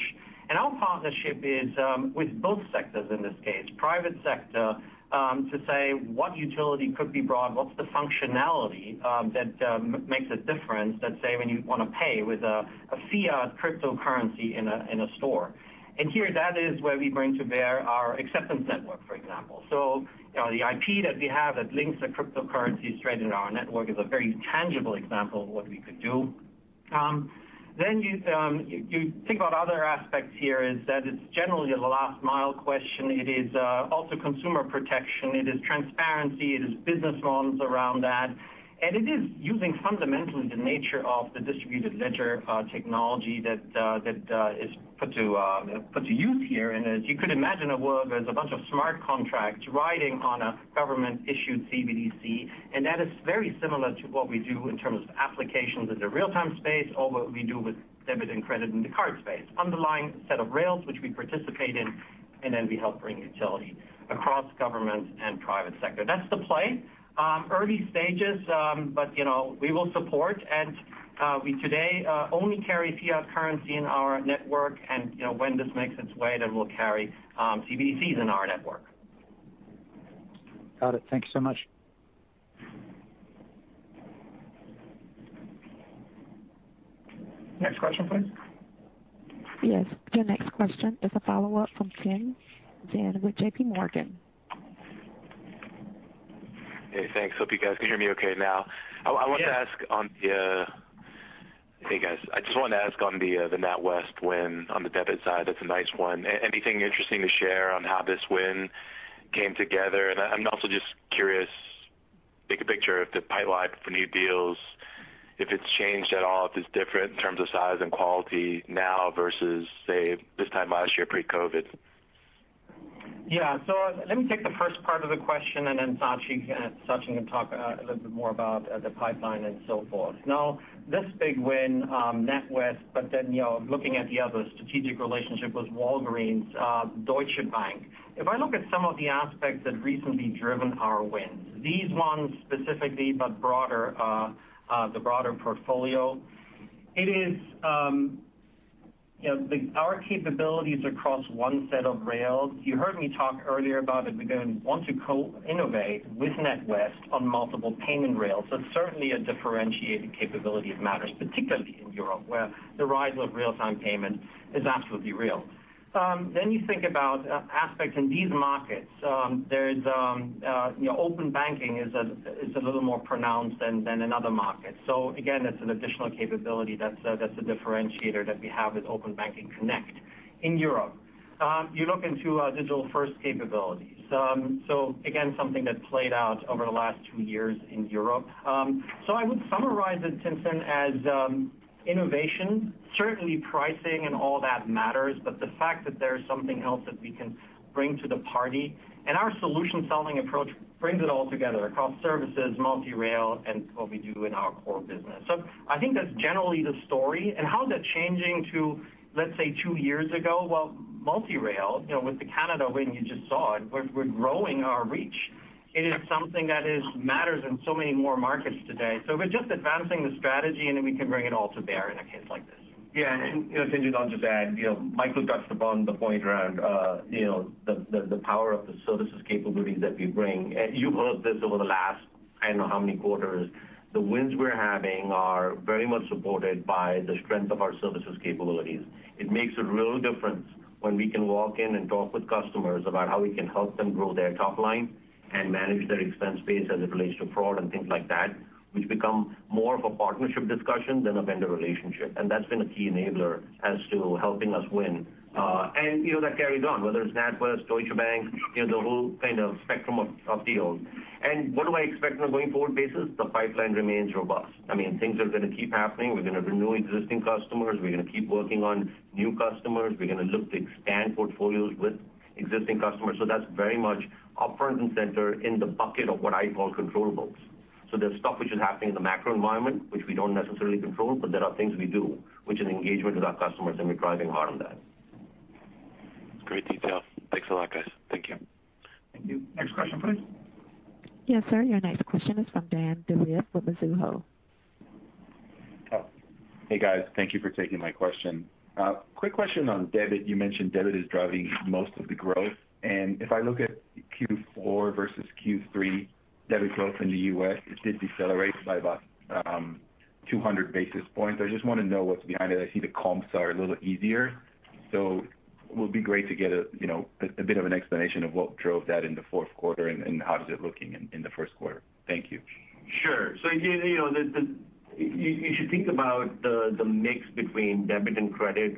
Speaker 3: Our partnership is with both sectors in this case. Private sector, to say what utility could be brought, what's the functionality that makes a difference than, say, when you want to pay with a fiat cryptocurrency in a store. Here, that is where we bring to bear our acceptance network, for example. The IP that we have that links the cryptocurrencies straight into our network is a very tangible example of what we could do. You think about other aspects here is that it's generally a last-mile question. It is also consumer protection. It is transparency. It is business models around that. It is using fundamentally the nature of the distributed ledger technology that is put to use here. As you could imagine a world where there's a bunch of smart contracts riding on a government-issued CBDC, and that is very similar to what we do in terms of applications in the real-time space or what we do with debit and credit in the card space. Underlying set of rails, which we participate in, and then we help bring utility across government and private sector. That's the play. Early stages, but we will support. We today only carry fiat currency in our network, and when this makes its way, then we'll carry CBDCs in our network.
Speaker 7: Got it. Thank you so much.
Speaker 2: Next question, please.
Speaker 1: Yes. Your next question is a follow-up from Tien-tsin Huang with JPMorgan.
Speaker 6: Hey, thanks. Hope you guys can hear me okay now.
Speaker 4: Yes.
Speaker 6: Hey, guys. I just wanted to ask on the NatWest win on the debit side, that's a nice one. Anything interesting to share on how this win came together? I'm also just curious, big picture, if the pipeline for new deals, if it's changed at all, if it's different in terms of size and quality now versus, say, this time last year pre-COVID.
Speaker 3: Let me take the first part of the question. Sachin can talk a little bit more about the pipeline and so forth. This big win, NatWest, looking at the other strategic relationship with Walgreens, Deutsche Bank. If I look at some of the aspects that recently driven our wins, these ones specifically, the broader portfolio, it is our capabilities across one set of rails. You heard me talk earlier about if we're going to want to co-innovate with NatWest on multiple payment rails. That's certainly a differentiating capability that matters, particularly in Europe, where the rise of real-time payment is absolutely real. You think about aspects in these markets. Open banking is a little more pronounced than in other markets. Again, that's an additional capability that's a differentiator that we have with Open Banking Connect in Europe. You look into digital-first capabilities. Again, something that's played out over the last two years in Europe. I would summarize it, Tien-tsin, as innovation. Certainly, pricing and all that matters, but the fact that there's something else that we can bring to the party, and our solution-selling approach brings it all together across services, multi-rail, and what we do in our core business. I think that's generally the story. How is that changing to, let's say, two years ago? Well, multi-rail, with the Canada win you just saw, we're growing our reach. It is something that matters in so many more markets today. We're just advancing the strategy, and then we can bring it all to bear in a case like this.
Speaker 4: Tien, I'll just add, Michael touched upon the point around the power of the services capabilities that we bring. You've heard this over the last I don't know how many quarters. The wins we're having are very much supported by the strength of our services capabilities. It makes a real difference when we can walk in and talk with customers about how we can help them grow their top line and manage their expense base as it relates to fraud and things like that, which become more of a partnership discussion than a vendor relationship. That's been a key enabler as to helping us win. That carries on, whether it's NatWest, Deutsche Bank, the whole kind of spectrum of deals. What do I expect on a going forward basis? The pipeline remains robust. Things are going to keep happening. We're going to renew existing customers. We're going to keep working on new customers. We're going to look to expand portfolios with existing customers. That's very much up front and center in the bucket of what I call controllables. There's stuff which is happening in the macro environment, which we don't necessarily control, but there are things we do, which is engagement with our customers, and we're driving hard on that.
Speaker 6: Great detail. Thanks a lot, guys. Thank you.
Speaker 2: Thank you. Next question, please.
Speaker 1: Yes, sir. Your next question is from Dan Dolev with Mizuho.
Speaker 8: Oh. Hey, guys. Thank you for taking my question. Quick question on debit. You mentioned debit is driving most of the growth. If I look at Q4 versus Q3 debit growth in the U.S., it did decelerate by about 200 basis points. I just want to know what's behind it. I see the comps are a little easier. It would be great to get a bit of an explanation of what drove that in the fourth quarter. How is it looking in the first quarter. Thank you.
Speaker 4: Sure. You should think about the mix between debit and credit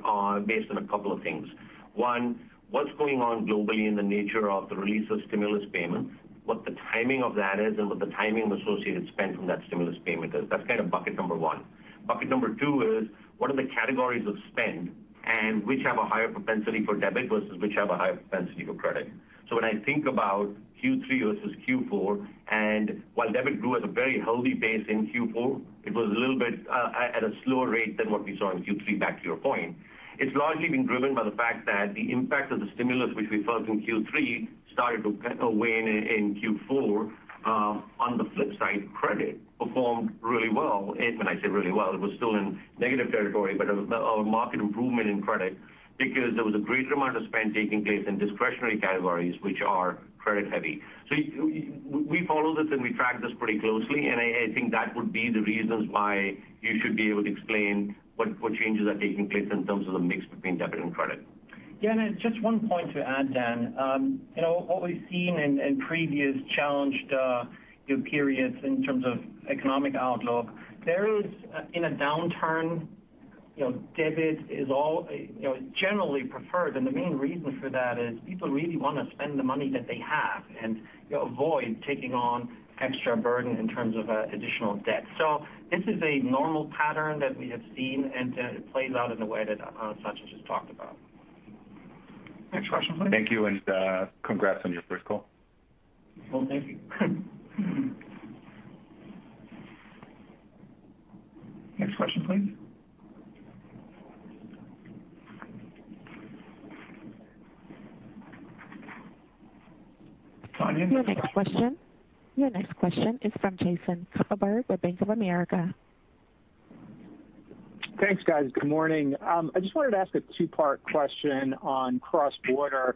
Speaker 4: based on a couple of things. One, what's going on globally in the nature of the release of stimulus payments, what the timing of that is, and what the timing of associated spend from that stimulus payment is. That's bucket number one. Bucket number two is what are the categories of spend, and which have a higher propensity for debit versus which have a higher propensity for credit? When I think about Q3 versus Q4, and while debit grew at a very healthy pace in Q4, it was a little bit at a slower rate than what we saw in Q3, back to your point. It's largely been driven by the fact that the impact of the stimulus, which we felt in Q3, started to wane in Q4. On the flip side, credit performed really well. When I say really well, it was still in negative territory, but a marked improvement in credit because there was a greater amount of spend taking place in discretionary categories, which are credit heavy. We follow this, and we track this pretty closely, and I think that would be the reasons why you should be able to explain what changes are taking place in terms of the mix between debit and credit.
Speaker 3: Just one point to add, Dan. What we've seen in previous challenged periods in terms of economic outlook, there is, in a downturn, debit is generally preferred, and the main reason for that is people really want to spend the money that they have, and avoid taking on extra burden in terms of additional debt. This is a normal pattern that we have seen, and it plays out in the way that Sachin just talked about.
Speaker 2: Next question, please.
Speaker 8: Thank you, and congrats on your first call.
Speaker 3: Well, thank you.
Speaker 2: Next question, please. Tanya?
Speaker 1: Your next question is from Jason Kupferberg with Bank of America.
Speaker 9: Thanks, guys. Good morning. I just wanted to ask a two-part question on cross-border.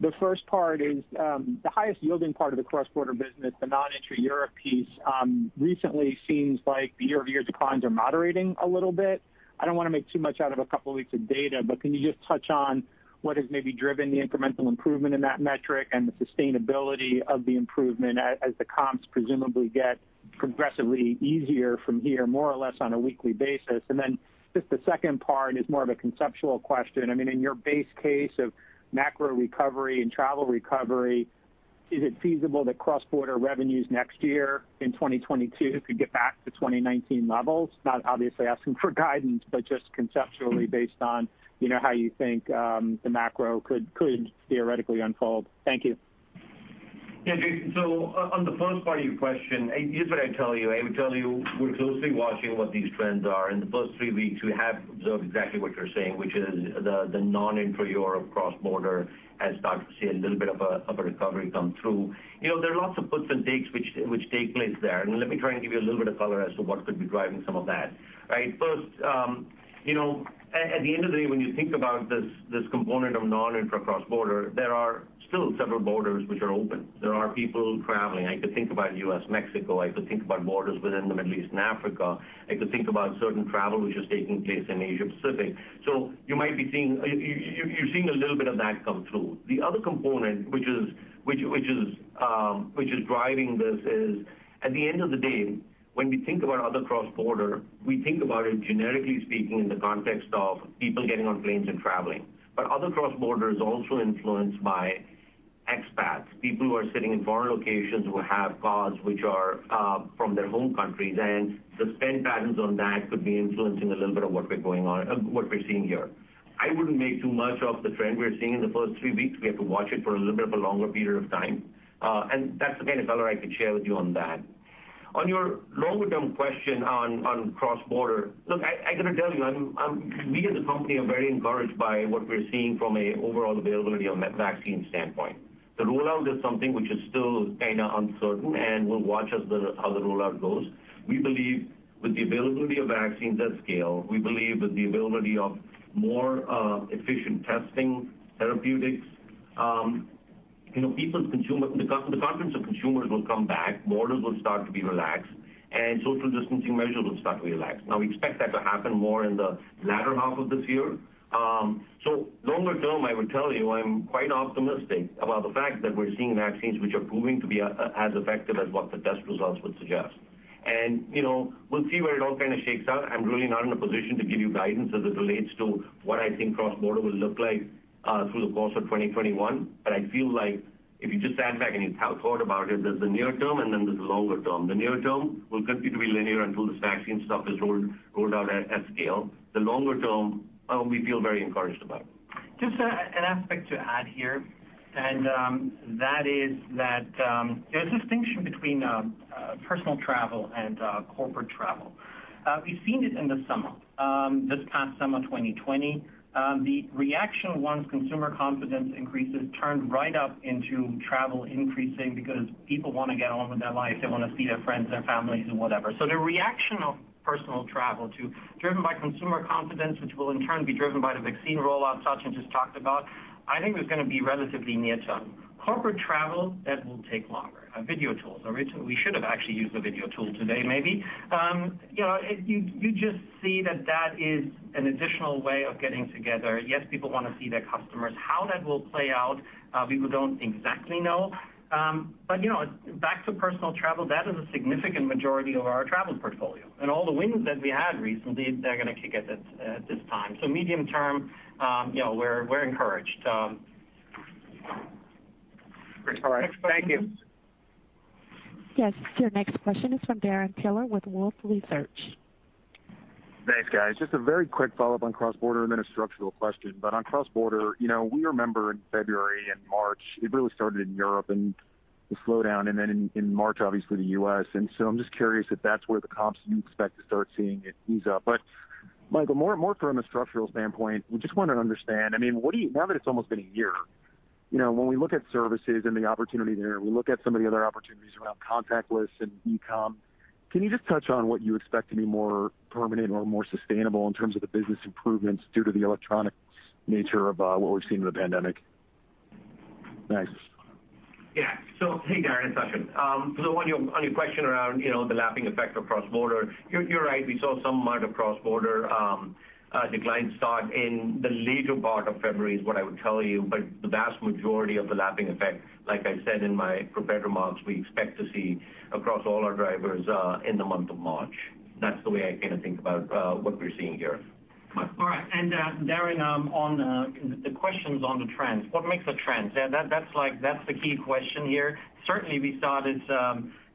Speaker 9: The first part is, the highest-yielding part of the cross-border business, the non-intra Europe piece, recently seems like the year-over-year declines are moderating a little bit. I don't want to make too much out of a couple weeks of data, but can you just touch on what has maybe driven the incremental improvement in that metric and the sustainability of the improvement as the comps presumably get progressively easier from here, more or less on a weekly basis? The second part is more of a conceptual question. In your base case of macro recovery and travel recovery, is it feasible that cross-border revenues next year in 2022 could get back to 2019 levels? Not obviously asking for guidance, but just conceptually based on how you think the macro could theoretically unfold. Thank you.
Speaker 4: Jason, on the first part of your question, here's what I'd tell you. I would tell you we're closely watching what these trends are. In the first three weeks, we have observed exactly what you're saying, which is the non-intra Europe cross-border has started to see a little bit of a recovery come through. There are lots of puts and takes which take place there. Let me try and give you a little bit of color as to what could be driving some of that. First, at the end of the day, when you think about this component of non-intra cross-border, there are still several borders which are open. There are people traveling. I could think about U.S., Mexico. I could think about borders within the Middle East and Africa. I could think about certain travel which is taking place in Asia-Pacific. You're seeing a little bit of that come through. The other component which is driving this is, at the end of the day, when we think about other cross-border, we think about it generically speaking in the context of people getting on planes and traveling. Other cross-border is also influenced by expats, people who are sitting in foreign locations who have cards which are from their home countries, and the spend patterns on that could be influencing a little bit of what we're seeing here. I wouldn't make too much of the trend we're seeing in the first three weeks. We have to watch it for a little bit of a longer period of time. That's the kind of color I could share with you on that. On your longer-term question on cross-border, look, I got to tell you, we as a company are very encouraged by what we're seeing from an overall availability of vaccine standpoint. The rollout is something which is still kind of uncertain, and we'll watch how the rollout goes. With the availability of vaccines at scale, we believe with the availability of more efficient testing therapeutics, the confidence of consumers will come back, borders will start to be relaxed, and social distancing measures will start to be relaxed. We expect that to happen more in the latter half of this year. Longer term, I would tell you, I'm quite optimistic about the fact that we're seeing vaccines which are proving to be as effective as what the test results would suggest. We'll see where it all kind of shakes out. I'm really not in a position to give you guidance as it relates to what I think cross-border will look like through the course of 2021. I feel like if you just stand back and you thought about it, there's the near term and then there's the longer term. The near term will continue to be linear until this vaccine stuff is rolled out at scale. The longer term, we feel very encouraged about.
Speaker 3: Just an aspect to add here, that is that there's a distinction between personal travel and corporate travel. We've seen it in the summer. This past summer 2020, the reaction once consumer confidence increases turned right up into travel increasing because people want to get on with their life. They want to see their friends, their families, and whatever. The reaction of personal travel driven by consumer confidence, which will in turn be driven by the vaccine rollout Sachin just talked about, I think is going to be relatively near term. Corporate travel, that will take longer. Video tools. We should have actually used a video tool today, maybe. You just see that that is an additional way of getting together. Yes, people want to see their customers. How that will play out, we don't exactly know. Back to personal travel, that is a significant majority of our travels portfolio. All the wins that we had recently, they're going to kick in at this time. Medium term, we're encouraged.
Speaker 9: All right. Thank you.
Speaker 1: Yes. Your next question is from Darrin Peller with Wolfe Research.
Speaker 10: Thanks, guys. Just a very quick follow-up on cross-border and then a structural question. On cross-border, we remember in February and March, it really started in Europe and the slowdown, then in March, obviously the U.S., I'm just curious if that's where the comps you expect to start seeing it ease up. Michael, more from a structural standpoint, we just want to understand, now that it's almost been a year, when we look at services and the opportunity there, we look at some of the other opportunities around contactless and e-com, can you just touch on what you expect to be more permanent or more sustainable in terms of the business improvements due to the electronics nature of what we're seeing in the pandemic? Thanks.
Speaker 4: Yeah. Hey, Darrin, Sachin. On your question around the lapping effect of cross-border, you're right. We saw some amount of cross-border decline start in the latter part of February is what I would tell you. The vast majority of the lapping effect, like I said in my prepared remarks, we expect to see across all our drivers in the month of March. That's the way I kind of think about what we're seeing here.
Speaker 3: All right. Darrin, on the questions on the trends, what makes a trend? That's the key question here. Certainly, we saw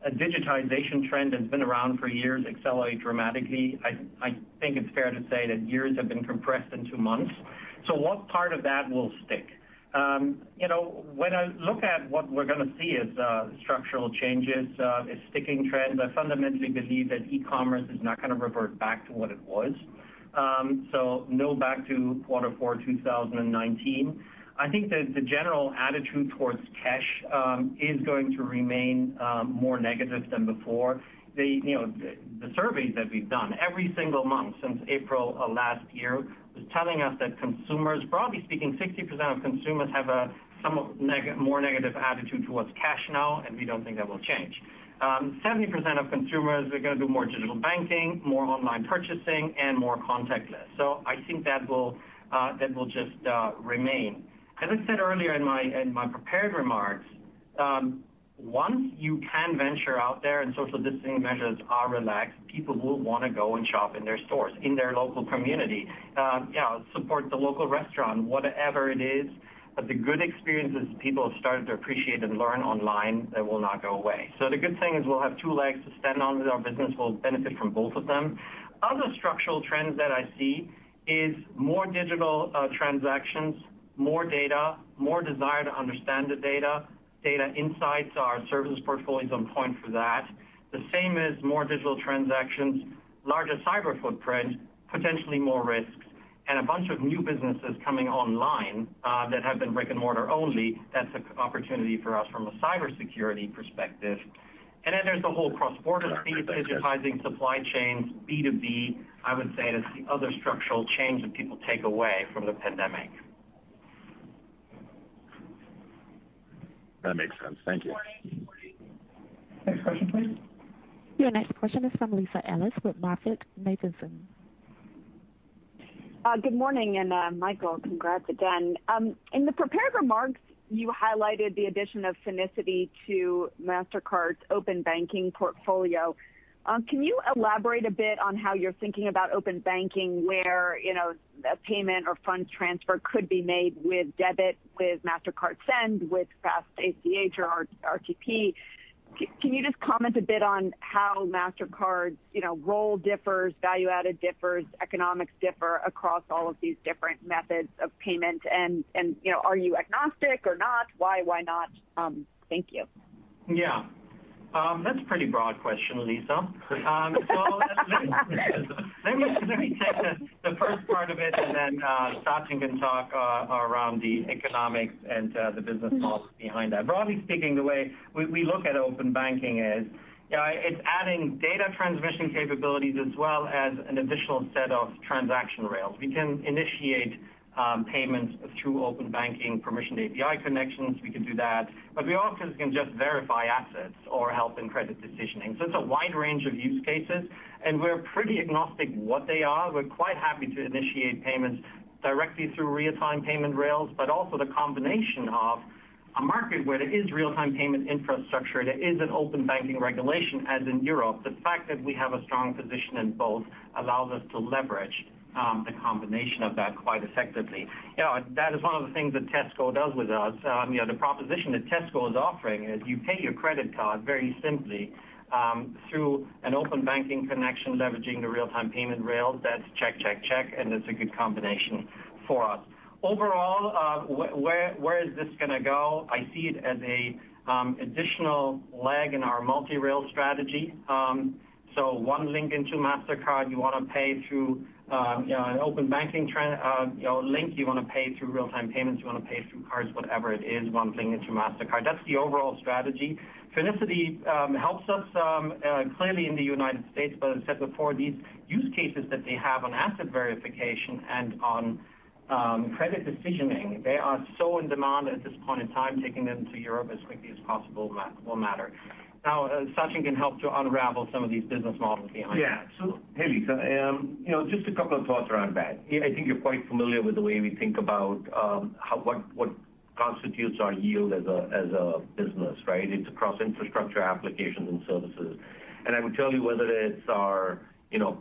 Speaker 3: this digitization trend that's been around for years accelerate dramatically. I think it's fair to say that years have been compressed into months. What part of that will stick? When I look at what we're going to see as structural changes, as sticking trends, I fundamentally believe that e-commerce is not going to revert back to what it was. No back to quarter four 2019. I think that the general attitude towards cash is going to remain more negative than before. The surveys that we've done every single month since April of last year was telling us that consumers, broadly speaking, 60% of consumers have a more negative attitude towards cash now, and we don't think that will change. 70% of consumers are going to do more digital banking, more online purchasing, and more contactless. I think that will just remain. As I said earlier in my prepared remarks, once you can venture out there and social distancing measures are relaxed, people will want to go and shop in their stores, in their local community, support the local restaurant, whatever it is. The good experiences people have started to appreciate and learn online, they will not go away. The good thing is we'll have two legs to stand on and our business will benefit from both of them. Other structural trends that I see is more digital transactions, more data, more desire to understand the data insights. Our services portfolio is on point for that. The same as more digital transactions, larger cyber footprint, potentially more risks, a bunch of new businesses coming online that have been brick and mortar only. That's an opportunity for us from a cybersecurity perspective. There's the whole cross-border theme.
Speaker 10: Yeah, I think that.
Speaker 3: Digitizing supply chains, B2B, I would say that's the other structural change that people take away from the pandemic.
Speaker 10: That makes sense. Thank you.
Speaker 2: Next question, please.
Speaker 1: Your next question is from Lisa Ellis with MoffettNathanson.
Speaker 11: Good morning, and Michael, congrats again. In the prepared remarks, you highlighted the addition of Finicity to Mastercard's open banking portfolio. Can you elaborate a bit on how you're thinking about open banking where a payment or funds transfer could be made with debit, with Mastercard Send, with Fast ACH or RTP? Can you just comment a bit on how Mastercard's role differs, value added differs, economics differ across all of these different methods of payment and are you agnostic or not? Why, why not? Thank you.
Speaker 3: Yeah. That's a pretty broad question, Lisa. Let me take the first part of it and then Sachin can talk around the economics and the business models behind that. Broadly speaking, the way we look at open banking is it's adding data transmission capabilities as well as an additional set of transaction rails. We can initiate payments through open banking permissioned API connections. We can do that, we often can just verify assets or help in credit decisioning. It's a wide range of use cases, and we're pretty agnostic what they are. We're quite happy to initiate payments directly through real-time payment rails, also the combination of a market where there is real-time payment infrastructure and there is an open banking regulation, as in Europe. The fact that we have a strong position in both allows us to leverage the combination of that quite effectively. That is one of the things that Tesco does with us. The proposition that Tesco is offering is you pay your credit card very simply through an open banking connection, leveraging the real-time payment rail. That's check, check, and it's a good combination for us. Overall, where is this going to go? I see it as an additional leg in our multi-rail strategy. One link into Mastercard, you want to pay through an open banking link, you want to pay through real-time payments, you want to pay through cards, whatever it is, one link into Mastercard. That's the overall strategy. Finicity helps us clearly in the U.S., but as I said before, these use cases that they have on asset verification and on credit decisioning, they are so in demand at this point in time, taking them to Europe as quickly as possible will matter. Now, Sachin can help to unravel some of these business models behind it.
Speaker 4: Yeah, absolutely. Hey, Lisa. Just a couple of thoughts around that. I think you're quite familiar with the way we think about what constitutes our yield as a business, right? It's across infrastructure applications and services. I would tell you whether it's our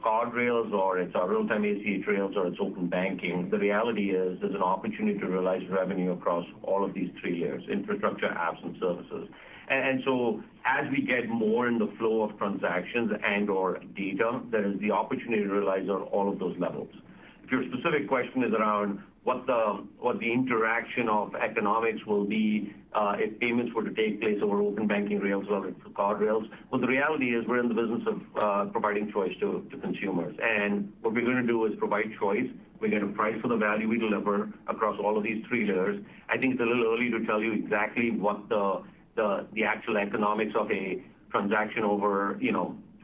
Speaker 4: card rails or it's our real-time ACH rails or it's open banking, the reality is there's an opportunity to realize revenue across all of these three layers, infrastructure, apps, and services. As we get more in the flow of transactions and/or data, there is the opportunity to realize on all of those levels. If your specific question is around what the interaction of economics will be if payments were to take place over open banking rails rather than through card rails. Well, the reality is we're in the business of providing choice to consumers, and what we're going to do is provide choice. We're going to price for the value we deliver across all of these three layers. I think it's a little early to tell you exactly what the actual economics of a transaction over,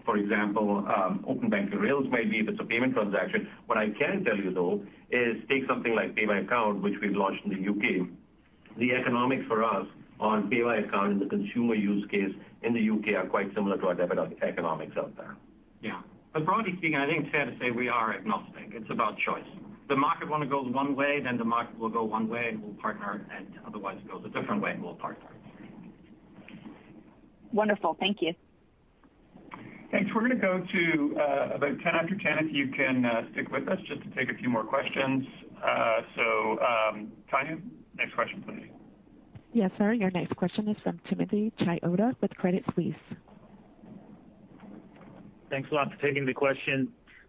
Speaker 4: for example, open banking rails might be if it's a payment transaction. What I can tell you, though, is take something like Pay by Account, which we've launched in the U.K. The economics for us on Pay by Account in the consumer use case in the U.K. are quite similar to our debit economics out there.
Speaker 3: Broadly speaking, I think it's fair to say we are agnostic. It's about choice. If the market wants to go one way, then the market will go one way and we'll partner, and otherwise it goes a different way and we'll partner.
Speaker 11: Wonderful. Thank you.
Speaker 2: Thanks. We're going to go to about 10:00 after 10:00, if you can stick with us just to take a few more questions. Tanya, next question, please.
Speaker 1: Yes, sir. Your next question is from Timothy Chiodo with Credit Suisse.
Speaker 12: Thanks a lot for taking the question.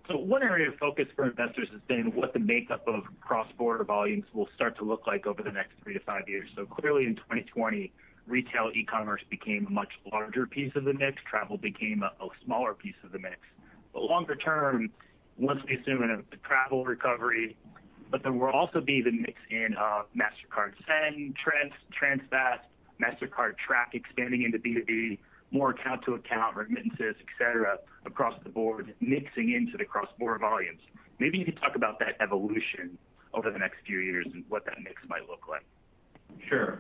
Speaker 12: One area of focus for investors has been what the makeup of cross-border volumes will start to look like over the next three to five years. Clearly in 2020, retail e-commerce became a much larger piece of the mix. Travel became a smaller piece of the mix. Longer term, once we assume a travel recovery. There will also be the mix in of Mastercard Send, Transfast, Mastercard Track expanding into B2B, more account-to-account remittances, et cetera, across the board, mixing into the cross-border volumes. Maybe you could talk about that evolution over the next few years and what that mix might look like.
Speaker 4: Sure.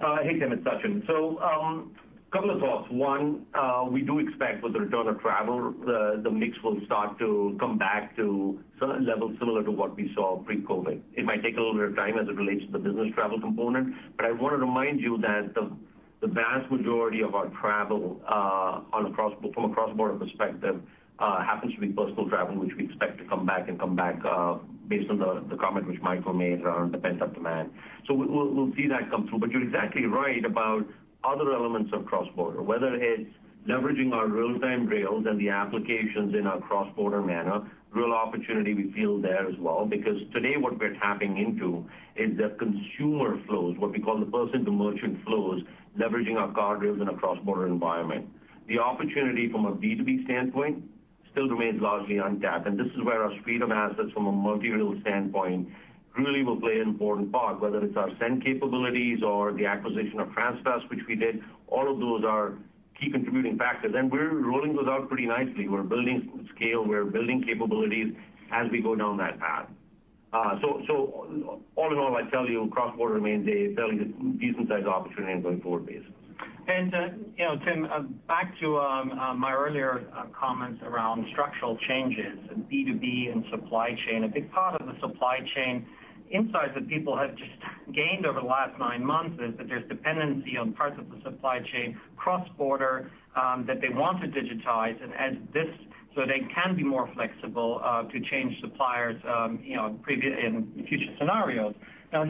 Speaker 4: Hey, Tim, it's Sachin. A couple of thoughts. One, we do expect with the return of travel, the mix will start to come back to certain levels similar to what we saw pre-COVID. It might take a little bit of time as it relates to the business travel component, but I want to remind you that the vast majority of our travel from a cross-border perspective happens to be personal travel, which we expect to come back and come back based on the comment which Michael made around pent-up demand. We'll see that come through. You're exactly right about other elements of cross-border, whether it's leveraging our real-time rails and the applications in a cross-border manner, real opportunity we feel there as well. Because today what we're tapping into is the consumer flows, what we call the person-to-merchant flows, leveraging our card rails in a cross-border environment. The opportunity from a B2B standpoint still remains largely untapped, and this is where our suite of assets from a multi-rail standpoint really will play an important part, whether it's our send capabilities or the acquisition of Transfast, which we did. All of those are key contributing factors. We're rolling those out pretty nicely. We're building scale, we're building capabilities as we go down that path. All in all, I tell you, cross-border remains a fairly decent size opportunity on a going forward basis.
Speaker 3: Tim, back to my earlier comments around structural changes in B2B and supply chain. A big part of the supply chain insights that people have just gained over the last nine months is that there's dependency on parts of the supply chain cross-border that they want to digitize and add this so they can be more flexible to change suppliers in future scenarios.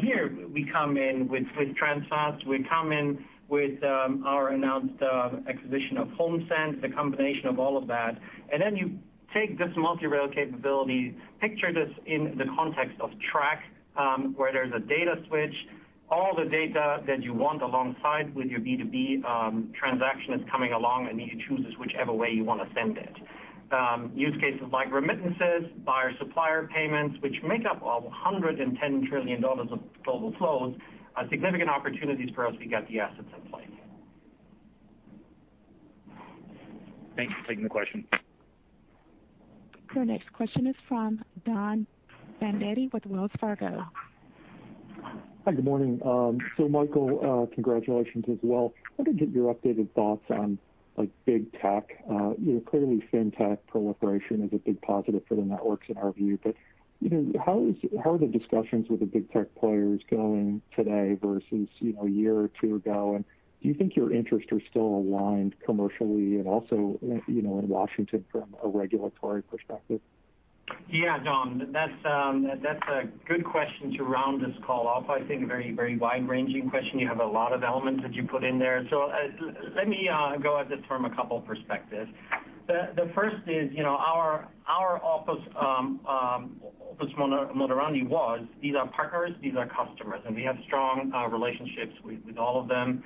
Speaker 3: Here we come in with Transfast. We come in with our announced acquisition of HomeSend, the combination of all of that. Then you take this multi-rail capability, picture this in the context of Track, where there's a data switch. All the data that you want alongside with your B2B transaction is coming along, and then you choose whichever way you want to send it. Use cases like remittances, buyer-supplier payments, which make up $110 trillion of global flows, are significant opportunities for us. We got the assets in place.
Speaker 12: Thank you for taking the question.
Speaker 1: Our next question is from Don Fandetti with Wells Fargo.
Speaker 13: Hi, good morning. Michael, congratulations as well. I want to get your updated thoughts on big tech. Clearly, fintech proliferation is a big positive for the networks in our view. How are the discussions with the big tech players going today versus a year or two ago? Do you think your interests are still aligned commercially and also in Washington from a regulatory perspective?
Speaker 3: Yeah, Don, that's a good question to round this call off. I think a very wide-ranging question. You have a lot of elements that you put in there. Let me go at this from a couple perspectives. The first is our modus operandi was these are partners, these are customers, and we have strong relationships with all of them,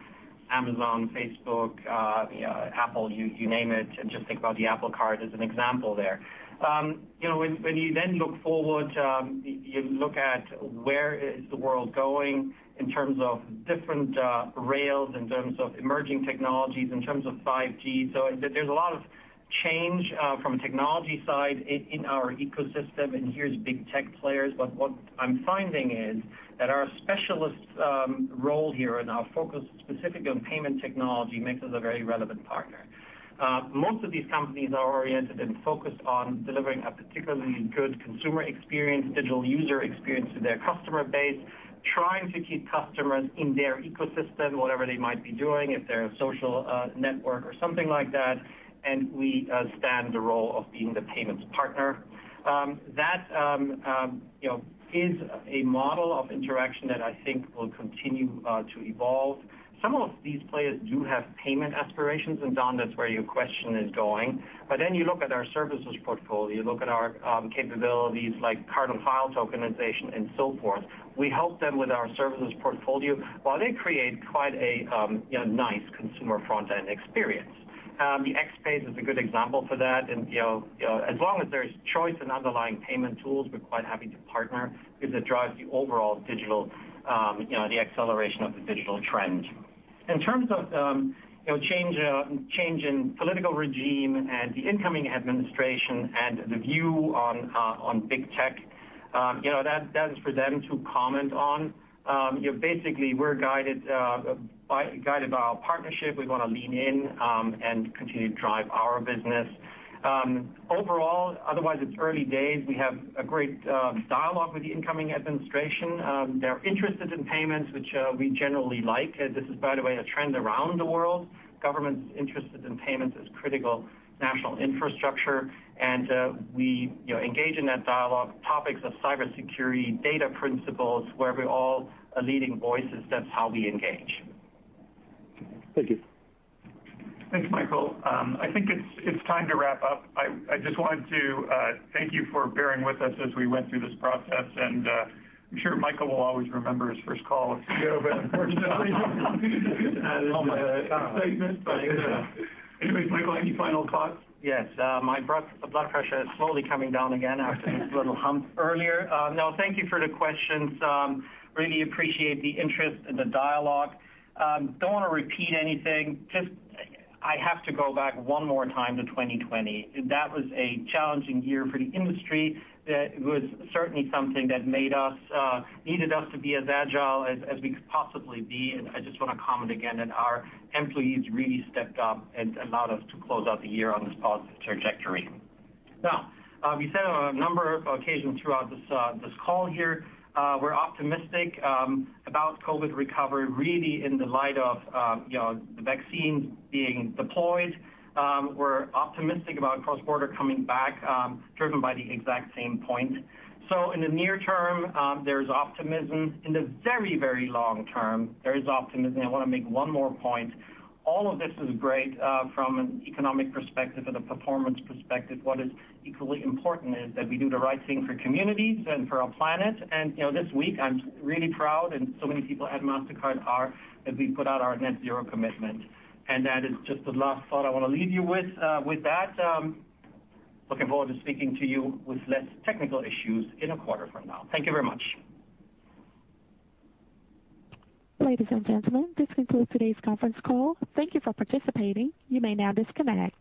Speaker 3: Amazon, Facebook Apple, you name it. Just think about the Apple Card as an example there. When you then look forward, you look at where is the world going in terms of different rails, in terms of emerging technologies, in terms of 5G. There's a lot of change from a technology side in our ecosystem and here's big tech players. What I'm finding is that our specialist role here and our focus specifically on payment technology makes us a very relevant partner. Most of these companies are oriented and focused on delivering a particularly good consumer experience, digital user experience to their customer base, trying to keep customers in their ecosystem, whatever they might be doing, if they're a social network or something like that. We stand in the role of being the payments partner. That is a model of interaction that I think will continue to evolve. Some of these players do have payment aspirations, Don, that's where your question is going. You look at our services portfolio, you look at our capabilities like card-on-file tokenization and so forth. We help them with our services portfolio while they create quite a nice consumer front-end experience. The X Pay is a good example for that. As long as there's choice and underlying payment tools, we're quite happy to partner because it drives the overall acceleration of the digital trend. In terms of change in political regime and the incoming administration and the view on big tech, that is for them to comment on. Basically, we're guided by our partnership. We want to lean in and continue to drive our business. Overall, otherwise, it's early days. We have a great dialogue with the incoming administration. They're interested in payments, which we generally like. This is, by the way, a trend around the world. Governments interested in payments as critical national infrastructure, and we engage in that dialogue. Topics of cybersecurity, data principles, where we're all leading voices, that's how we engage.
Speaker 13: Thank you.
Speaker 2: Thanks, Michael. I think it's time to wrap up. I just wanted to thank you for bearing with us as we went through this process, and I'm sure Michael will always remember his first call with you. Anyway, Michael, any final thoughts?
Speaker 3: My blood pressure is slowly coming down again after this little hump earlier. Thank you for the questions. Really appreciate the interest and the dialogue. Don't want to repeat anything, just I have to go back one more time to 2020. That was a challenging year for the industry. That was certainly something that needed us to be as agile as we could possibly be. I just want to comment again that our employees really stepped up and allowed us to close out the year on this positive trajectory. We said on a number of occasions throughout this call here, we're optimistic about COVID recovery, really in the light of the vaccines being deployed. We're optimistic about cross-border coming back, driven by the exact same point. In the near term, there's optimism. In the very long term, there is optimism. I want to make one more point. All of this is great from an economic perspective and a performance perspective. What is equally important is that we do the right thing for communities and for our planet. This week, I'm really proud, and so many people at Mastercard are, as we put out our net zero commitment. That is just the last thought I want to leave you with. With that, looking forward to speaking to you with less technical issues in a quarter from now. Thank you very much.
Speaker 1: Ladies and gentlemen, this concludes today's conference call. Thank you for participating. You may now disconnect.